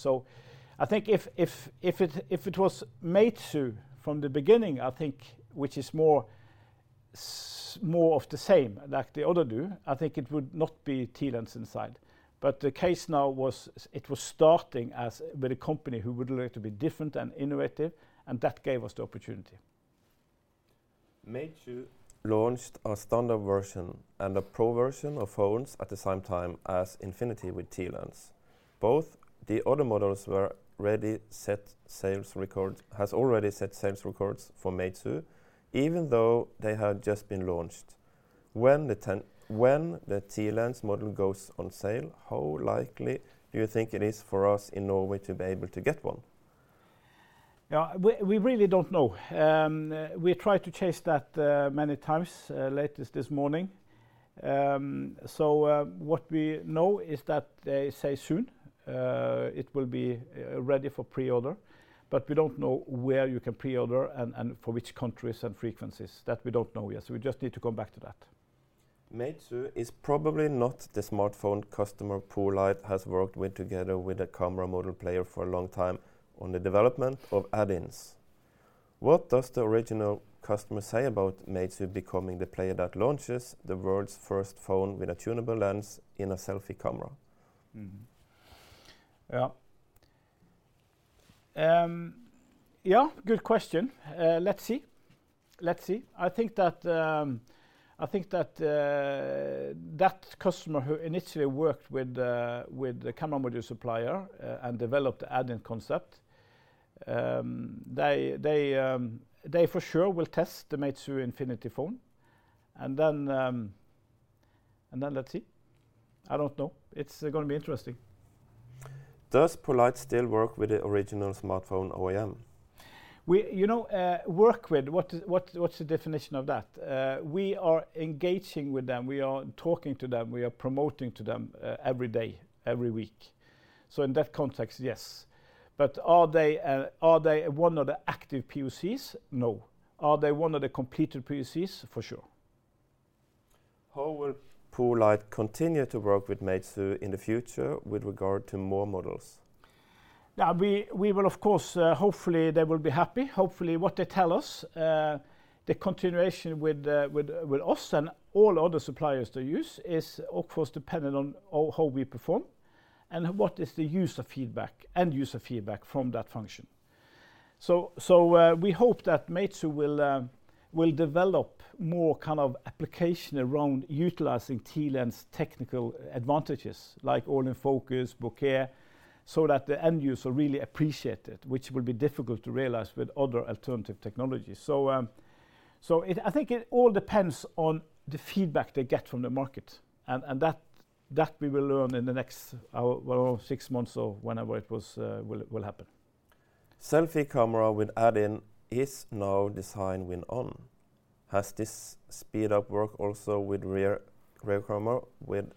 [SPEAKER 1] I think if it was Meizu from the beginning, I think which is more of the same like the other do, I think it would not be TLens inside. The case now was it was starting as with a company who would like to be different and innovative, that gave us the opportunity.
[SPEAKER 2] Meizu launched a standard version and a pro version of phones at the same time as Infinity with TLens. Both the other models were ready. Has already set sales records for Meizu even though they had just been launched. When the TLens model goes on sale, how likely do you think it is for us in Norway to be able to get one?
[SPEAKER 1] Yeah. We really don't know. We tried to chase that many times latest this morning. What we know is that they say soon it will be ready for pre-order. We don't know where you can pre-order and for which countries and frequencies. That we don't know yet, we just need to come back to that.
[SPEAKER 2] Meizu is probably not the smartphone customer poLight has worked with together with a camera module player for a long time on the development of add-ins. What does the original customer say about Meizu becoming the player that launches the world's first phone with a tunable lens in a selfie camera?
[SPEAKER 1] Yeah. Yeah, good question. Let's see. I think that customer who initially worked with the camera module supplier, and developed the Add-In concept, they for sure will test the Meizu Infinity phone. Let's see. I don't know. It's gonna be interesting.
[SPEAKER 2] Does poLight still work with the original smartphone OEM?
[SPEAKER 1] We, you know, work with. What's the definition of that? We are engaging with them. We are talking to them, we are promoting to them, every day, every week. In that context, yes. Are they one of the active POCs? No. Are they one of the completed POCs? For sure.
[SPEAKER 2] How will poLight continue to work with Meizu in the future with regard to more models?
[SPEAKER 1] Yeah. We will of course, hopefully they will be happy. Hopefully, what they tell us, the continuation with us and all other suppliers they use is of course dependent on how we perform and what is the user feedback, end user feedback from that function. We hope that Meizu will develop more kind of application around utilizing TLens' technical advantages like all in focus, bokeh, so that the end user really appreciate it, which will be difficult to realize with other alternative technologies. I think it all depends on the feedback they get from the market and that we will learn in the next, well, six months or whenever it was, will happen.
[SPEAKER 2] Selfie camera with add-in is now design win on. Has this speed up work also with rear camera with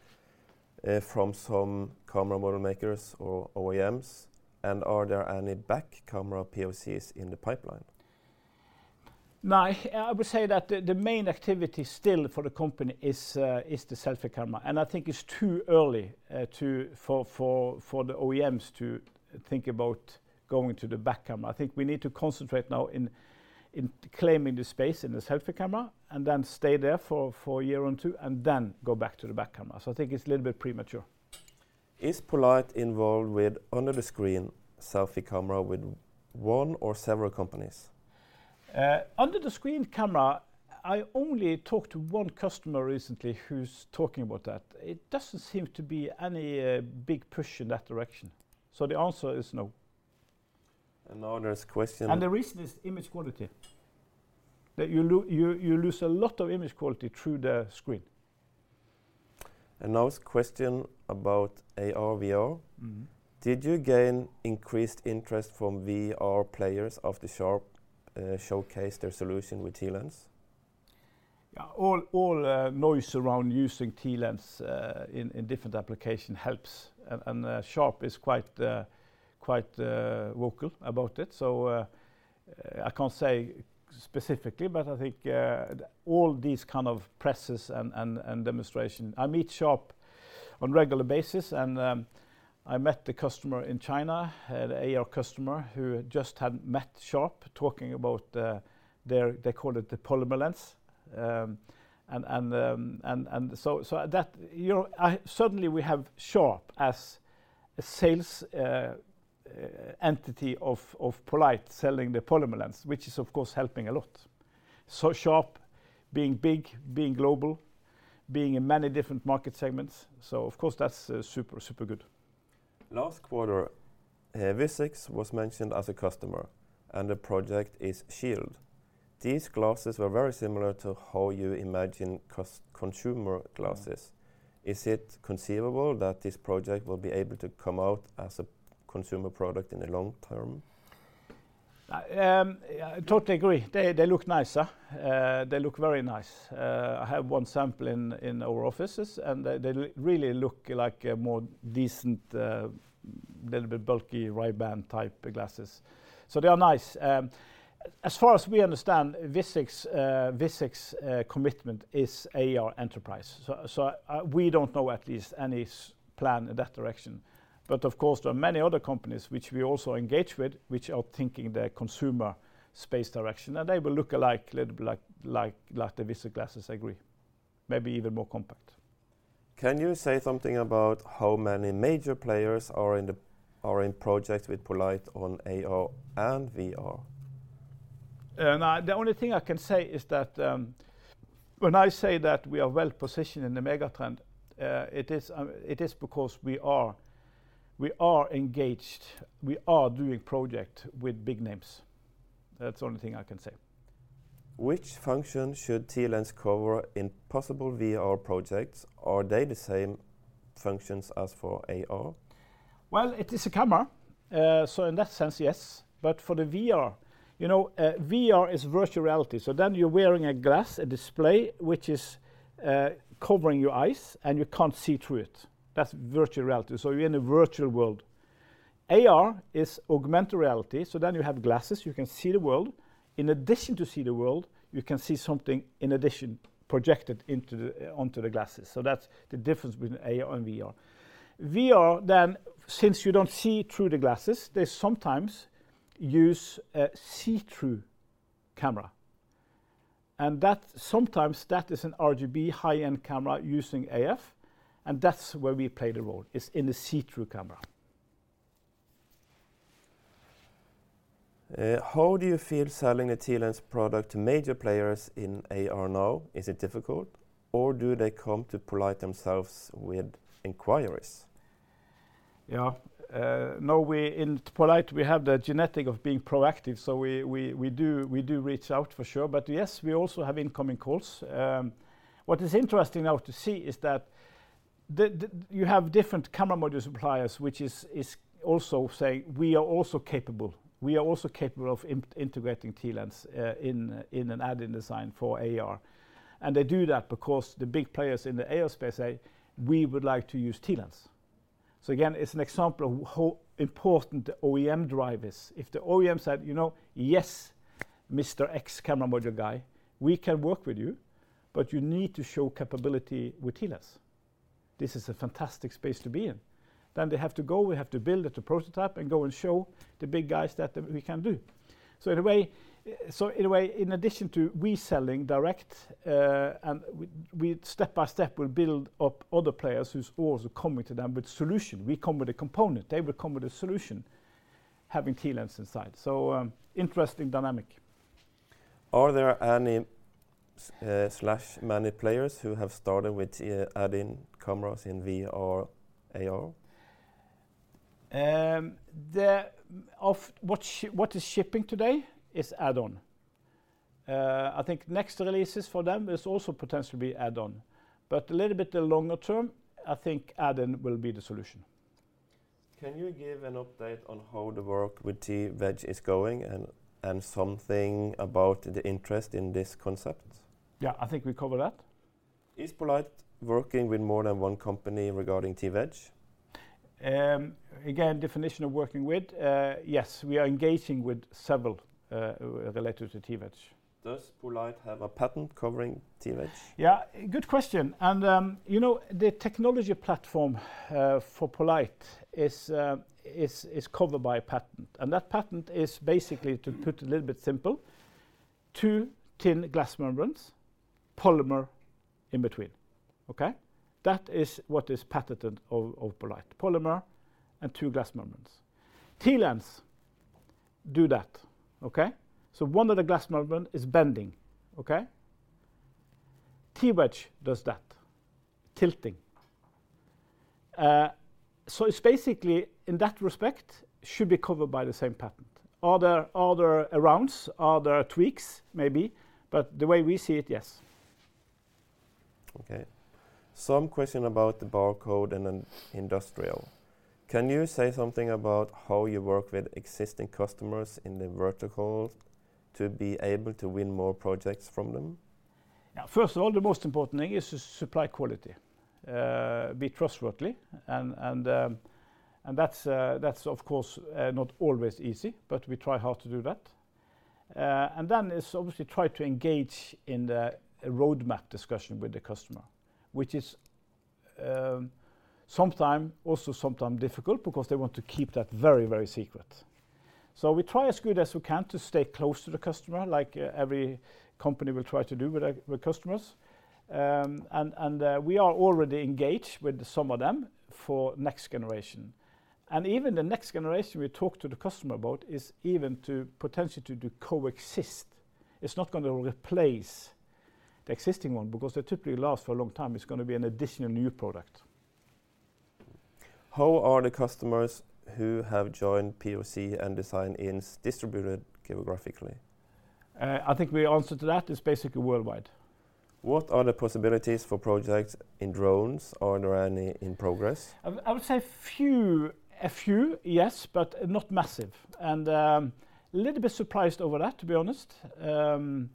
[SPEAKER 2] from some camera model makers or OEMs and are there any back camera POCs in the pipeline?
[SPEAKER 1] No. I would say that the main activity still for the company is the selfie camera, I think it's too early to for the OEMs to think about going to the back camera. I think we need to concentrate now in claiming the space in the selfie camera and then stay there for a year or two and then go back to the back camera. I think it's a little bit premature.
[SPEAKER 2] Is poLight involved with under the screen selfie camera with one or several companies?
[SPEAKER 1] Under the screen camera, I only talked to one customer recently who's talking about that. It doesn't seem to be any big push in that direction. The answer is no.
[SPEAKER 2] Now there's.
[SPEAKER 1] The reason is image quality, that you lose a lot of image quality through the screen.
[SPEAKER 2] Now it's question about AR/VR.
[SPEAKER 1] Mm-hmm.
[SPEAKER 2] Did you gain increased interest from VR players after Sharp showcased their solution with TLens?
[SPEAKER 1] All noise around using TLens in different application helps. Sharp is quite vocal about it. I can't say specifically, but I think all these kind of presses and demonstration. I meet Sharp on regular basis, and I met the customer in China, AR customer who just had met Sharp talking about They call it the polymer lens. So that, you know, I suddenly we have Sharp as a sales entity of poLight selling the polymer lens, which is of course helping a lot. Sharp being big, being global, being in many different market segments, of course that's super good.
[SPEAKER 2] Last quarter, Vuzix was mentioned as a customer, and the project is Shield. These glasses were very similar to how you imagine consumer glasses. Is it conceivable that this project will be able to come out as a consumer product in the long term?
[SPEAKER 1] Yeah, totally agree. They look nice, huh? They look very nice. I have one sample in our offices, and they really look like a more decent, little bit bulky Ray-Ban type glasses. They are nice. As far as we understand, Vuzix's commitment is AR enterprise. We don't know at least any plan in that direction. Of course, there are many other companies which we also engage with, which are thinking the consumer space direction, and they will look a like, little bit like the Vuzix glasses. Agree. Maybe even more compact.
[SPEAKER 2] Can you say something about how many major players are in projects with poLight on AR and VR?
[SPEAKER 1] No, the only thing I can say is that when I say that we are well-positioned in the mega trend, it is because we are engaged, we are doing project with big names. That's the only thing I can say.
[SPEAKER 2] Which function should TLens cover in possible VR projects? Are they the same functions as for AR?
[SPEAKER 1] Well, it is a camera. In that sense, yes. For the VR, you know, VR is virtual reality, you're wearing a glass, a display which is covering your eyes, and you can't see through it. That's virtual reality. You're in a virtual world. AR is augmented reality, you have glasses, you can see the world. In addition to see the world, you can see something in addition projected into the onto the glasses. That's the difference between AR and VR. VR, since you don't see through the glasses, they sometimes use a see-through camera, that sometimes is an RGB high-end camera using AF, and that's where we play the role, is in the see-through camera.
[SPEAKER 2] How do you feel selling a TLens product to major players in AR now? Is it difficult, or do they come to poLight themselves with inquiries?
[SPEAKER 1] No, we in poLight we have the genetic of being proactive, so we do reach out for sure. Yes, we also have incoming calls. What is interesting now to see is that you have different camera module suppliers, which is also saying, "We are also capable. We are also capable of integrating TLens in an Add-In design for AR." They do that because the big players in the AR space say, "We would like to use TLens." Again, it's an example of how important the OEM drive is. If the OEM said, "You know, yes, Mr. X Camera Module Guy, we can work with you, but you need to show capability with TLens. This is a fantastic space to be in. They have to go, we have to build the prototype and go and show the big guys that we can do. In a way, in addition to reselling direct, and we step by step will build up other players who's also coming to them with solution. We come with a component, they will come with a solution, having TLens inside. Interesting dynamic.
[SPEAKER 2] Are there any, slash many players who have started with, Add-In cameras in VR/AR?
[SPEAKER 1] What is shipping today is Add-On. I think next releases for them is also potentially Add-On, but a little bit longer term, I think Add-In will be the solution.
[SPEAKER 2] Can you give an update on how the work with TWedge is going and something about the interest in this concept?
[SPEAKER 1] Yeah, I think we covered that.
[SPEAKER 2] Is poLight working with more than one company regarding TWedge?
[SPEAKER 1] Again, definition of working with, yes, we are engaging with several, related to TWedge.
[SPEAKER 2] Does poLight have a patent covering TWedge?
[SPEAKER 1] Yeah, good question. You know, the technology platform for poLight is covered by a patent, and that patent is basically, to put a little bit simple, two thin glass membranes, polymer in between. Okay? That is what is patented of poLight. Polymer and two glass membranes. TLens do that, okay? One of the glass membrane is bending, okay? TWedge does that, tilting. So it's basically, in that respect, should be covered by the same patent. Are there arounds? Are there tweaks? Maybe. The way we see it, yes.
[SPEAKER 2] Okay. Some question about the barcode and then industrial. Can you say something about how you work with existing customers in the vertical to be able to win more projects from them?
[SPEAKER 1] First of all, the most important thing is the supply quality. Be trustworthy, and that's of course not always easy, but we try hard to do that. It's obviously try to engage in the roadmap discussion with the customer, which is sometime difficult because they want to keep that very, very secret. We try as good as we can to stay close to the customer, like every company will try to do with customers. We are already engaged with some of them for next generation. Even the next generation we talk to the customer about is even to potentially to do coexist. It's not gonna replace the existing one because they typically last for a long time. It's gonna be an additional new product.
[SPEAKER 2] How are the customers who have joined POC and design-ins distributed geographically?
[SPEAKER 1] I think the answer to that is basically worldwide.
[SPEAKER 2] What are the possibilities for projects in drones? Are there any in progress?
[SPEAKER 1] I would say few. A few, yes, but not massive. Little bit surprised over that, to be honest. We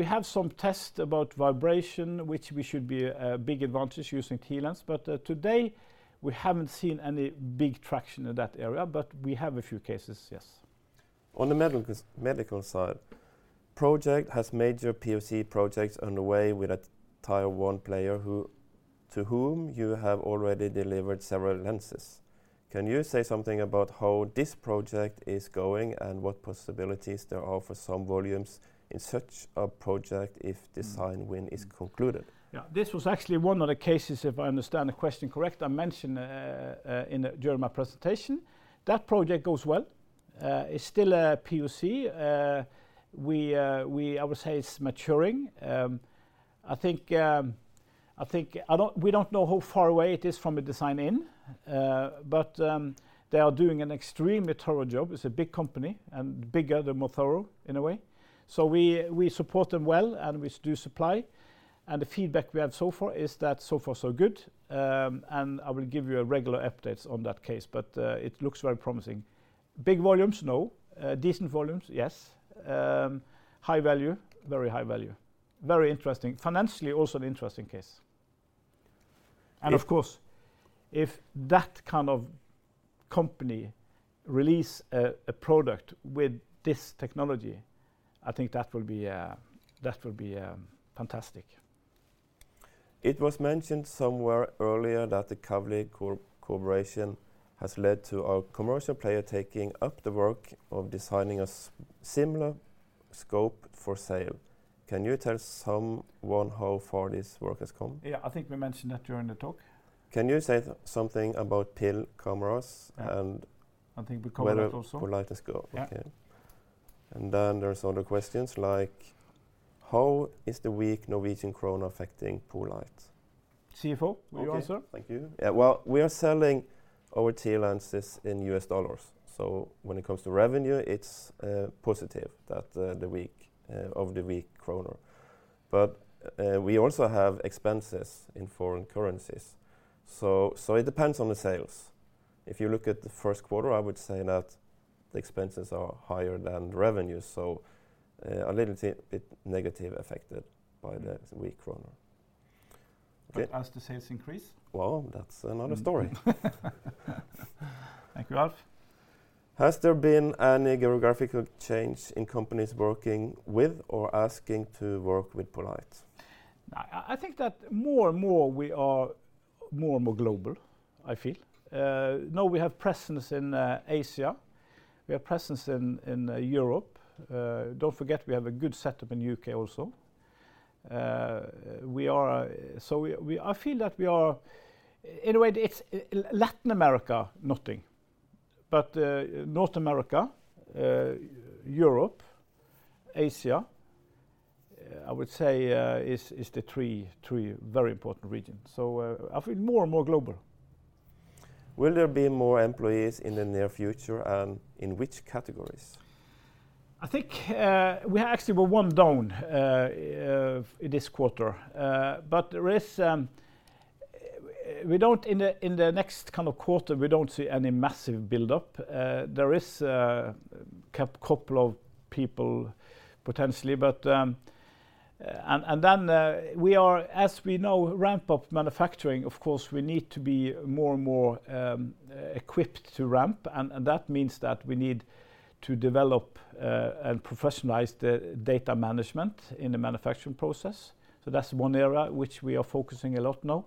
[SPEAKER 1] have some tests about vibration, which we should be a big advantage using TLens, today we haven't seen any big traction in that area, but we have a few cases, yes.
[SPEAKER 2] On the medical side, project has major POC projects underway with a tier one player who, to whom you have already delivered several lenses. Can you say something about how this project is going and what possibilities there are for some volumes in such a project if design win is concluded?
[SPEAKER 1] This was actually one of the cases, if I understand the question correct, I mentioned during my presentation. That project goes well. It's still a POC. I would say it's maturing. We don't know how far away it is from a design-in, they are doing an extremely thorough job. It's a big company, bigger, the more thorough in a way. We, we support them well, we do supply, the feedback we have so far is that so far so good. I will give you a regular updates on that case, it looks very promising. Big volumes? No. Decent volumes? Yes. High value? Very high value. Very interesting. Financially also an interesting case.
[SPEAKER 2] If-
[SPEAKER 1] Of course, if that kind of company release a product with this technology, I think that will be, that will be fantastic.
[SPEAKER 2] It was mentioned somewhere earlier that the Kavli Corporation has led to a commercial player taking up the work of designing a similar scope for sale. Can you tell someone how far this work has come?
[SPEAKER 1] Yeah, I think we mentioned that during the talk.
[SPEAKER 2] Can you say something about pill cameras and-?
[SPEAKER 1] I think we covered that also....
[SPEAKER 2] where poLight is
[SPEAKER 1] Yeah.
[SPEAKER 2] Okay. Then there's other questions like, how is the weak Norwegian krone affecting poLight?
[SPEAKER 1] CFO will answer.
[SPEAKER 2] Thank you. Well, we are selling our TLens in U.S. dollars. When it comes to revenue, it's positive that the weak krone. We also have expenses in foreign currencies, so it depends on the sales. If you look at the first quarter, I would say that the expenses are higher than the revenue, so a little bit negative affected by the weak krone.
[SPEAKER 1] As the sales increase.
[SPEAKER 2] Well, that's another story.
[SPEAKER 1] Thank you, Alf.
[SPEAKER 2] Has there been any geographical change in companies working with or asking to work with poLight?
[SPEAKER 1] I think that more and more we are more and more global, I feel. Now we have presence in Asia. We have presence in Europe. Don't forget we have a good setup in U.K. also. So we... I feel that we are... In a way, it's Latin America, nothing. North America, Europe, Asia I would say, is the three very important regions. I feel more and more global.
[SPEAKER 2] Will there be more employees in the near future, and in which categories?
[SPEAKER 1] I think we actually were one down this quarter. There is, we don't in the next kind of quarter, we don't see any massive buildup. There is a couple of people potentially, but, then, we are as we know ramp-up manufacturing, of course, we need to be more and more equipped to ramp. That means that we need to develop and professionalize the data management in the manufacturing process. That's one area which we are focusing a lot now.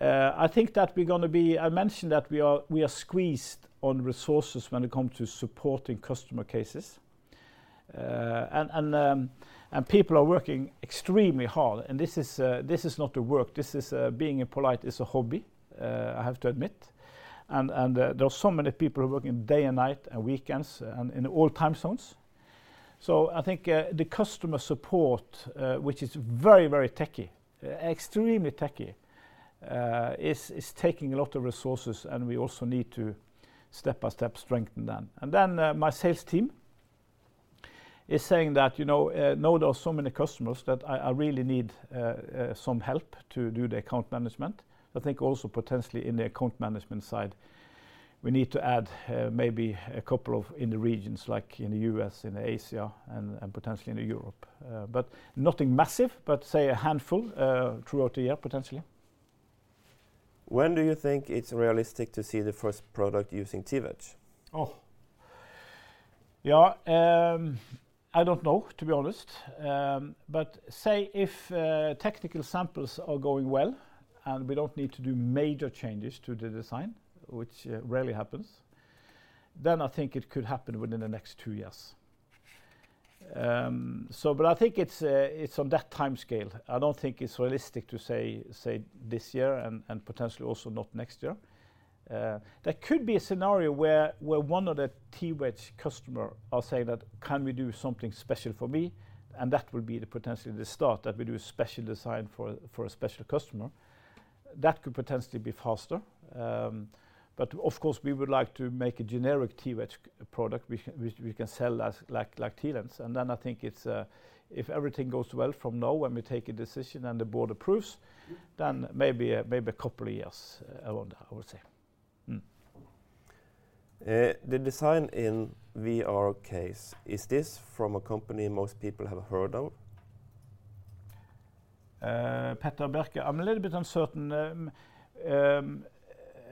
[SPEAKER 1] I think that we're gonna be... I mentioned that we are squeezed on resources when it come to supporting customer cases. People are working extremely hard, and this is not the work. This is, being a poLight, it's a hobby, I have to admit. There are so many people who are working day and night and weekends and in all time zones. I think, the customer support, which is very, very techy, extremely techy, is taking a lot of resources, and we also need to step by step strengthen them. My sales team is saying that, you know, now there are so many customers that I really need, some help to do the account management. I think also potentially in the account management side, we need to add, maybe a couple of in the regions like in the U.S., in Asia and potentially in Europe, but nothing massive but say a handful, throughout the year potentially.
[SPEAKER 2] When do you think it's realistic to see the first product using TWedge?
[SPEAKER 1] Yeah, I don't know, to be honest. Say if technical samples are going well, and we don't need to do major changes to the design, which rarely happens, then I think it could happen within the next two years. I think it's on that timescale. I don't think it's realistic to say this year and potentially also not next year. There could be a scenario where one of the TWedge customer are saying that can we do something special for me, and that will be the potentially the start that we do a special design for a special customer. That could potentially be faster. Of course, we would like to make a generic TWedge product which we can sell as like TLens. I think it's, if everything goes well from now when we take a decision and the board approves, then maybe a couple of years around, I would say. Mm.
[SPEAKER 2] The design in VR case, is this from a company most people have heard of?
[SPEAKER 1] Petter Bjerke. I'm a little bit uncertain.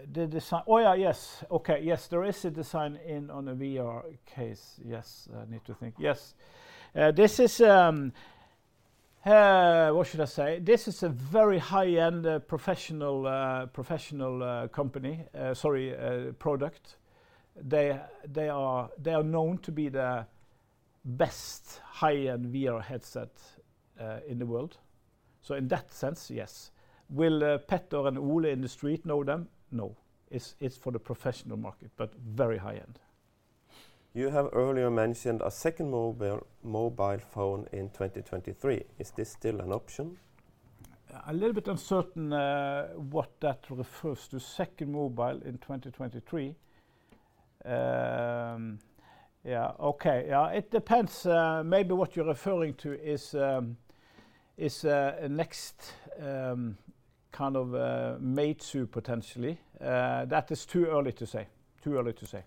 [SPEAKER 1] Yes. Okay. Yes, there is a design in on a VR case. Yes. I need to think. Yes. This is what should I say? This is a very high-end professional company. Sorry, product. They are known to be the best high-end VR headset in the world. In that sense, yes. Will Petter and Ole in the street know them? No. It's for the professional market, but very high-end.
[SPEAKER 2] You have earlier mentioned a second mobile phone in 2023. Is this still an option?
[SPEAKER 1] A little bit uncertain, what that refers to second mobile in 2023. Yeah, okay. Yeah, it depends. Maybe what you're referring to is, a next, kind of, Meizu potentially. That is too early to say. Too early to say.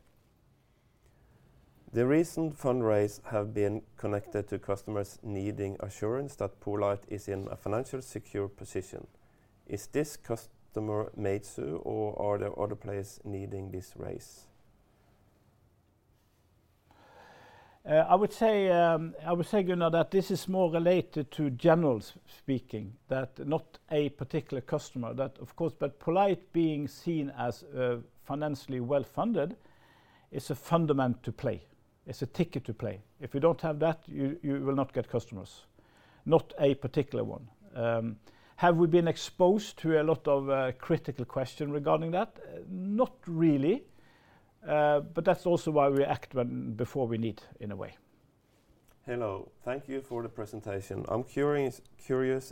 [SPEAKER 2] The recent fundraise have been connected to customers needing assurance that poLight is in a financial secure position. Is this customer Matsu, or are there other players needing this raise?
[SPEAKER 1] I would say, Gunnar, that this is more related to general speaking, that not a particular customer. That of course, poLight being seen as financially well-funded is a fundament to play. It's a ticket to play. If you don't have that, you will not get customers. Not a particular one. Have we been exposed to a lot of critical question regarding that? Not really, but that's also why we act when before we need in a way.
[SPEAKER 2] Hello. Thank you for the presentation. I'm curious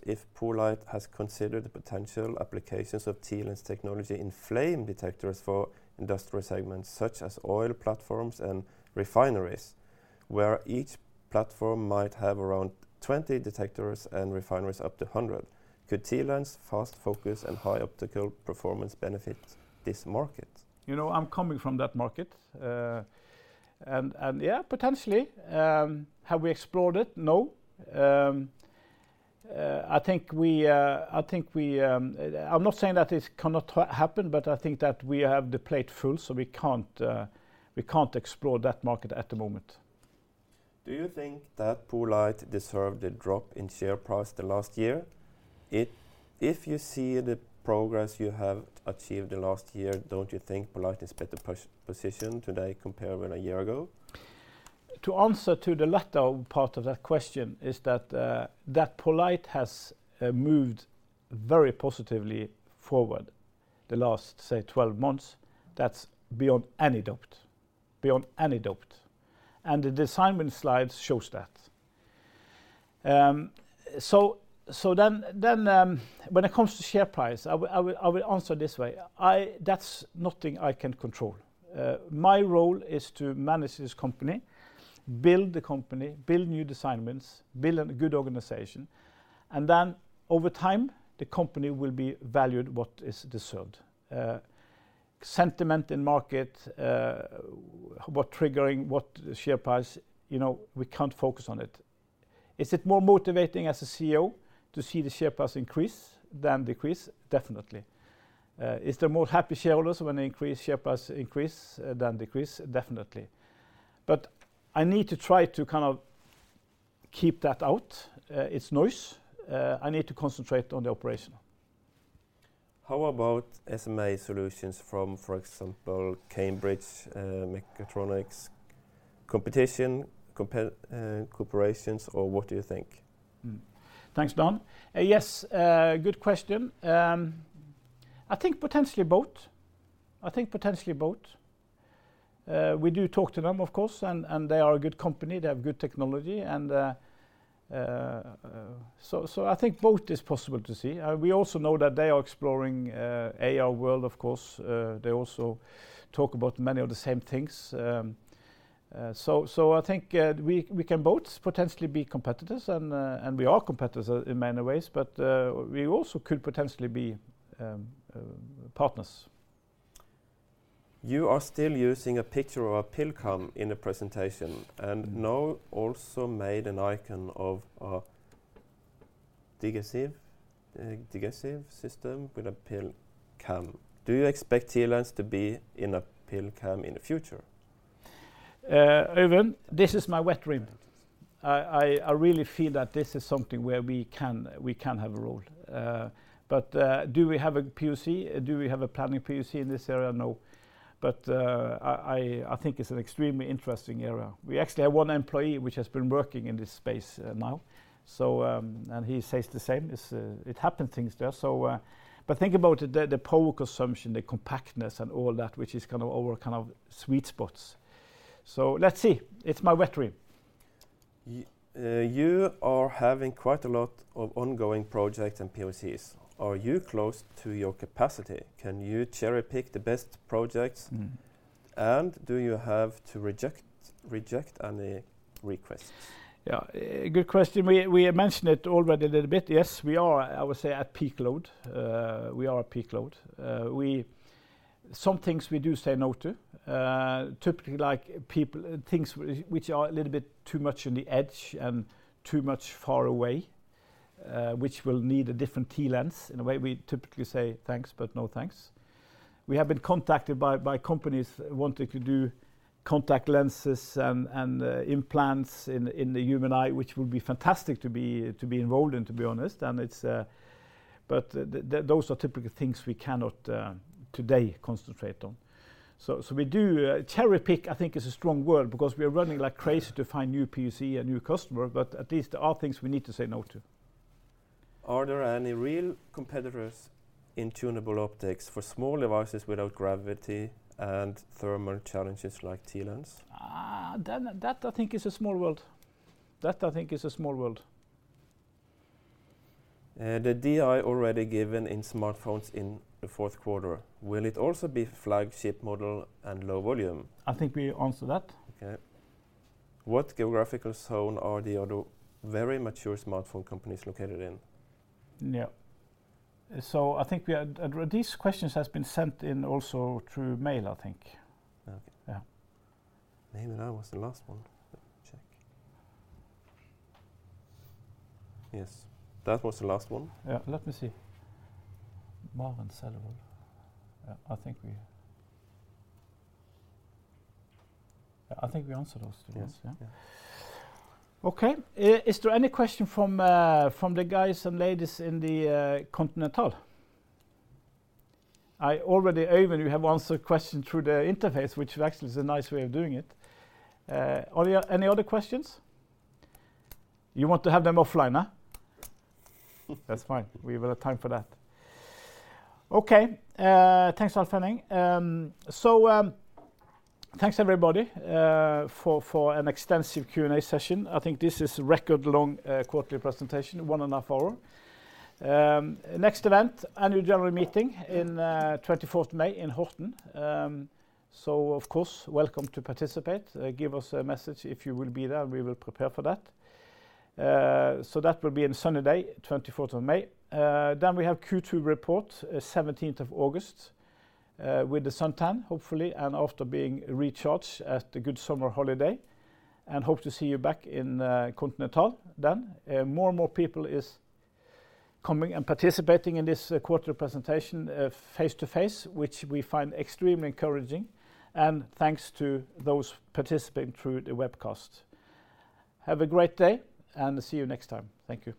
[SPEAKER 2] if poLight has considered the potential applications of TLens technology in flame detectors for industrial segments such as oil platforms and refineries, where each platform might have around 20 detectors and refineries up to 100. Could TLens fast focus and high optical performance benefit this market?
[SPEAKER 1] You know, I'm coming from that market. Yeah, potentially. Have we explored it? No. I think we, I'm not saying that it cannot happen, but I think that we have the plate full, so we can't explore that market at the moment.
[SPEAKER 2] Do you think that poLight deserved a drop in share price the last year? If you see the progress you have achieved the last year, don't you think poLight is better positioned today compared with a year ago?
[SPEAKER 1] To answer to the latter part of that question is that poLight has moved very positively forward the last, say, 12 months. That's beyond any doubt. The design win slides shows that. When it comes to share price, I will answer this way. That's nothing I can control. My role is to manage this company, build the company, build new design wins, build a good organization, and then over time, the company will be valued what is deserved. Sentiment in market, what triggering, what share price, you know, we can't focus on it. Is it more motivating as a CEO to see the share price increase than decrease? Definitely. Is there more happy shareholders when the share price increase than decrease? Definitely. I need to try to kind of keep that out. It's noise. I need to concentrate on the operation.
[SPEAKER 2] How about SMA solutions from, for example, Cambridge Mechatronics competition, cooperations, or what do you think?
[SPEAKER 1] Thanks, Dan. Yes, good question. I think potentially both. I think potentially both. We do talk to them, of course, and they are a good company, they have good technology, and so I think both is possible to see. We also know that they are exploring AR world, of course. They also talk about many of the same things. I think, we can both potentially be competitors and we are competitors in many ways, but, we also could potentially be partners.
[SPEAKER 2] You are still using a picture of a pill cam in the presentation-
[SPEAKER 1] Mm...
[SPEAKER 2] and now also made an icon of a digestive system with a pill cam. Do you expect TLens to be in a pill cam in the future?
[SPEAKER 1] Evan, this is my wet dream. I really feel that this is something where we can have a role. Do we have a POC? Do we have a planning POC in this area? No. I think it's an extremely interesting area. We actually have one employee which has been working in this space now. And he says the same, it happened things there. Think about the power consumption, the compactness and all that, which is kind of our kind of sweet spots. Let's see. It's my wet dream.
[SPEAKER 2] You are having quite a lot of ongoing projects and POCs. Are you close to your capacity? Can you cherry-pick the best projects?
[SPEAKER 1] Mm
[SPEAKER 2] Do you have to reject any requests?
[SPEAKER 1] Yeah. Good question. We mentioned it already a little bit. Yes, we are, I would say, at peak load. We are at peak load. Some things we do say no to, typically like things which are a little bit too much on the edge and too much far away, which will need a different TLens. In a way, we typically say, "Thanks, but no thanks." We have been contacted by companies wanting to do contact lenses and implants in the human eye, which would be fantastic to be involved in, to be honest. It's. Those are typically things we cannot today concentrate on. We do... Cherry-pick, I think, is a strong word because we are running like crazy to find new POC and new customer, but at least there are things we need to say no to.
[SPEAKER 2] Are there any real competitors in tunable optics for small devices without gravity and thermal challenges like TLens?
[SPEAKER 1] That I think is a small world.
[SPEAKER 2] The DI already given in smartphones in the fourth quarter. Will it also be flagship model and low volume?
[SPEAKER 1] I think we answered that.
[SPEAKER 2] What geographical zone are the other very mature smartphone companies located in?
[SPEAKER 1] Yeah. I think we had. These questions has been sent in also through mail, I think.
[SPEAKER 2] Okay.
[SPEAKER 1] Yeah.
[SPEAKER 2] Maybe that was the last one. Let me check. Yes. That was the last one.
[SPEAKER 1] Yeah. Let me see. Maren Sæbø. Yeah, I think we answered those two. Yes.
[SPEAKER 2] Yeah. Yeah.
[SPEAKER 1] Okay. Is there any question from the guys and ladies in the Continental? I already, Evan, you have answered a question through the interface, which actually is a nice way of doing it. Are there any other questions? You want to have them offline, huh? That's fine. We've the time for that. Okay. Thanks for attending. Thanks everybody for an extensive Q&A session. I think this is record long quarterly presentation, one and a half hour. Next event, annual general meeting in 24th May in Horten. Of course, welcome to participate. Give us a message if you will be there. We will prepare for that. That will be in Sunday, 24th of May. We have Q2 report, 17th of August, with the suntan, hopefully, and after being recharged at the good summer holiday. Hope to see you back in Continental then. More and more people is coming and participating in this quarterly presentation face-to-face, which we find extremely encouraging. Thanks to those participating through the webcast. Have a great day and see you next time. Thank you.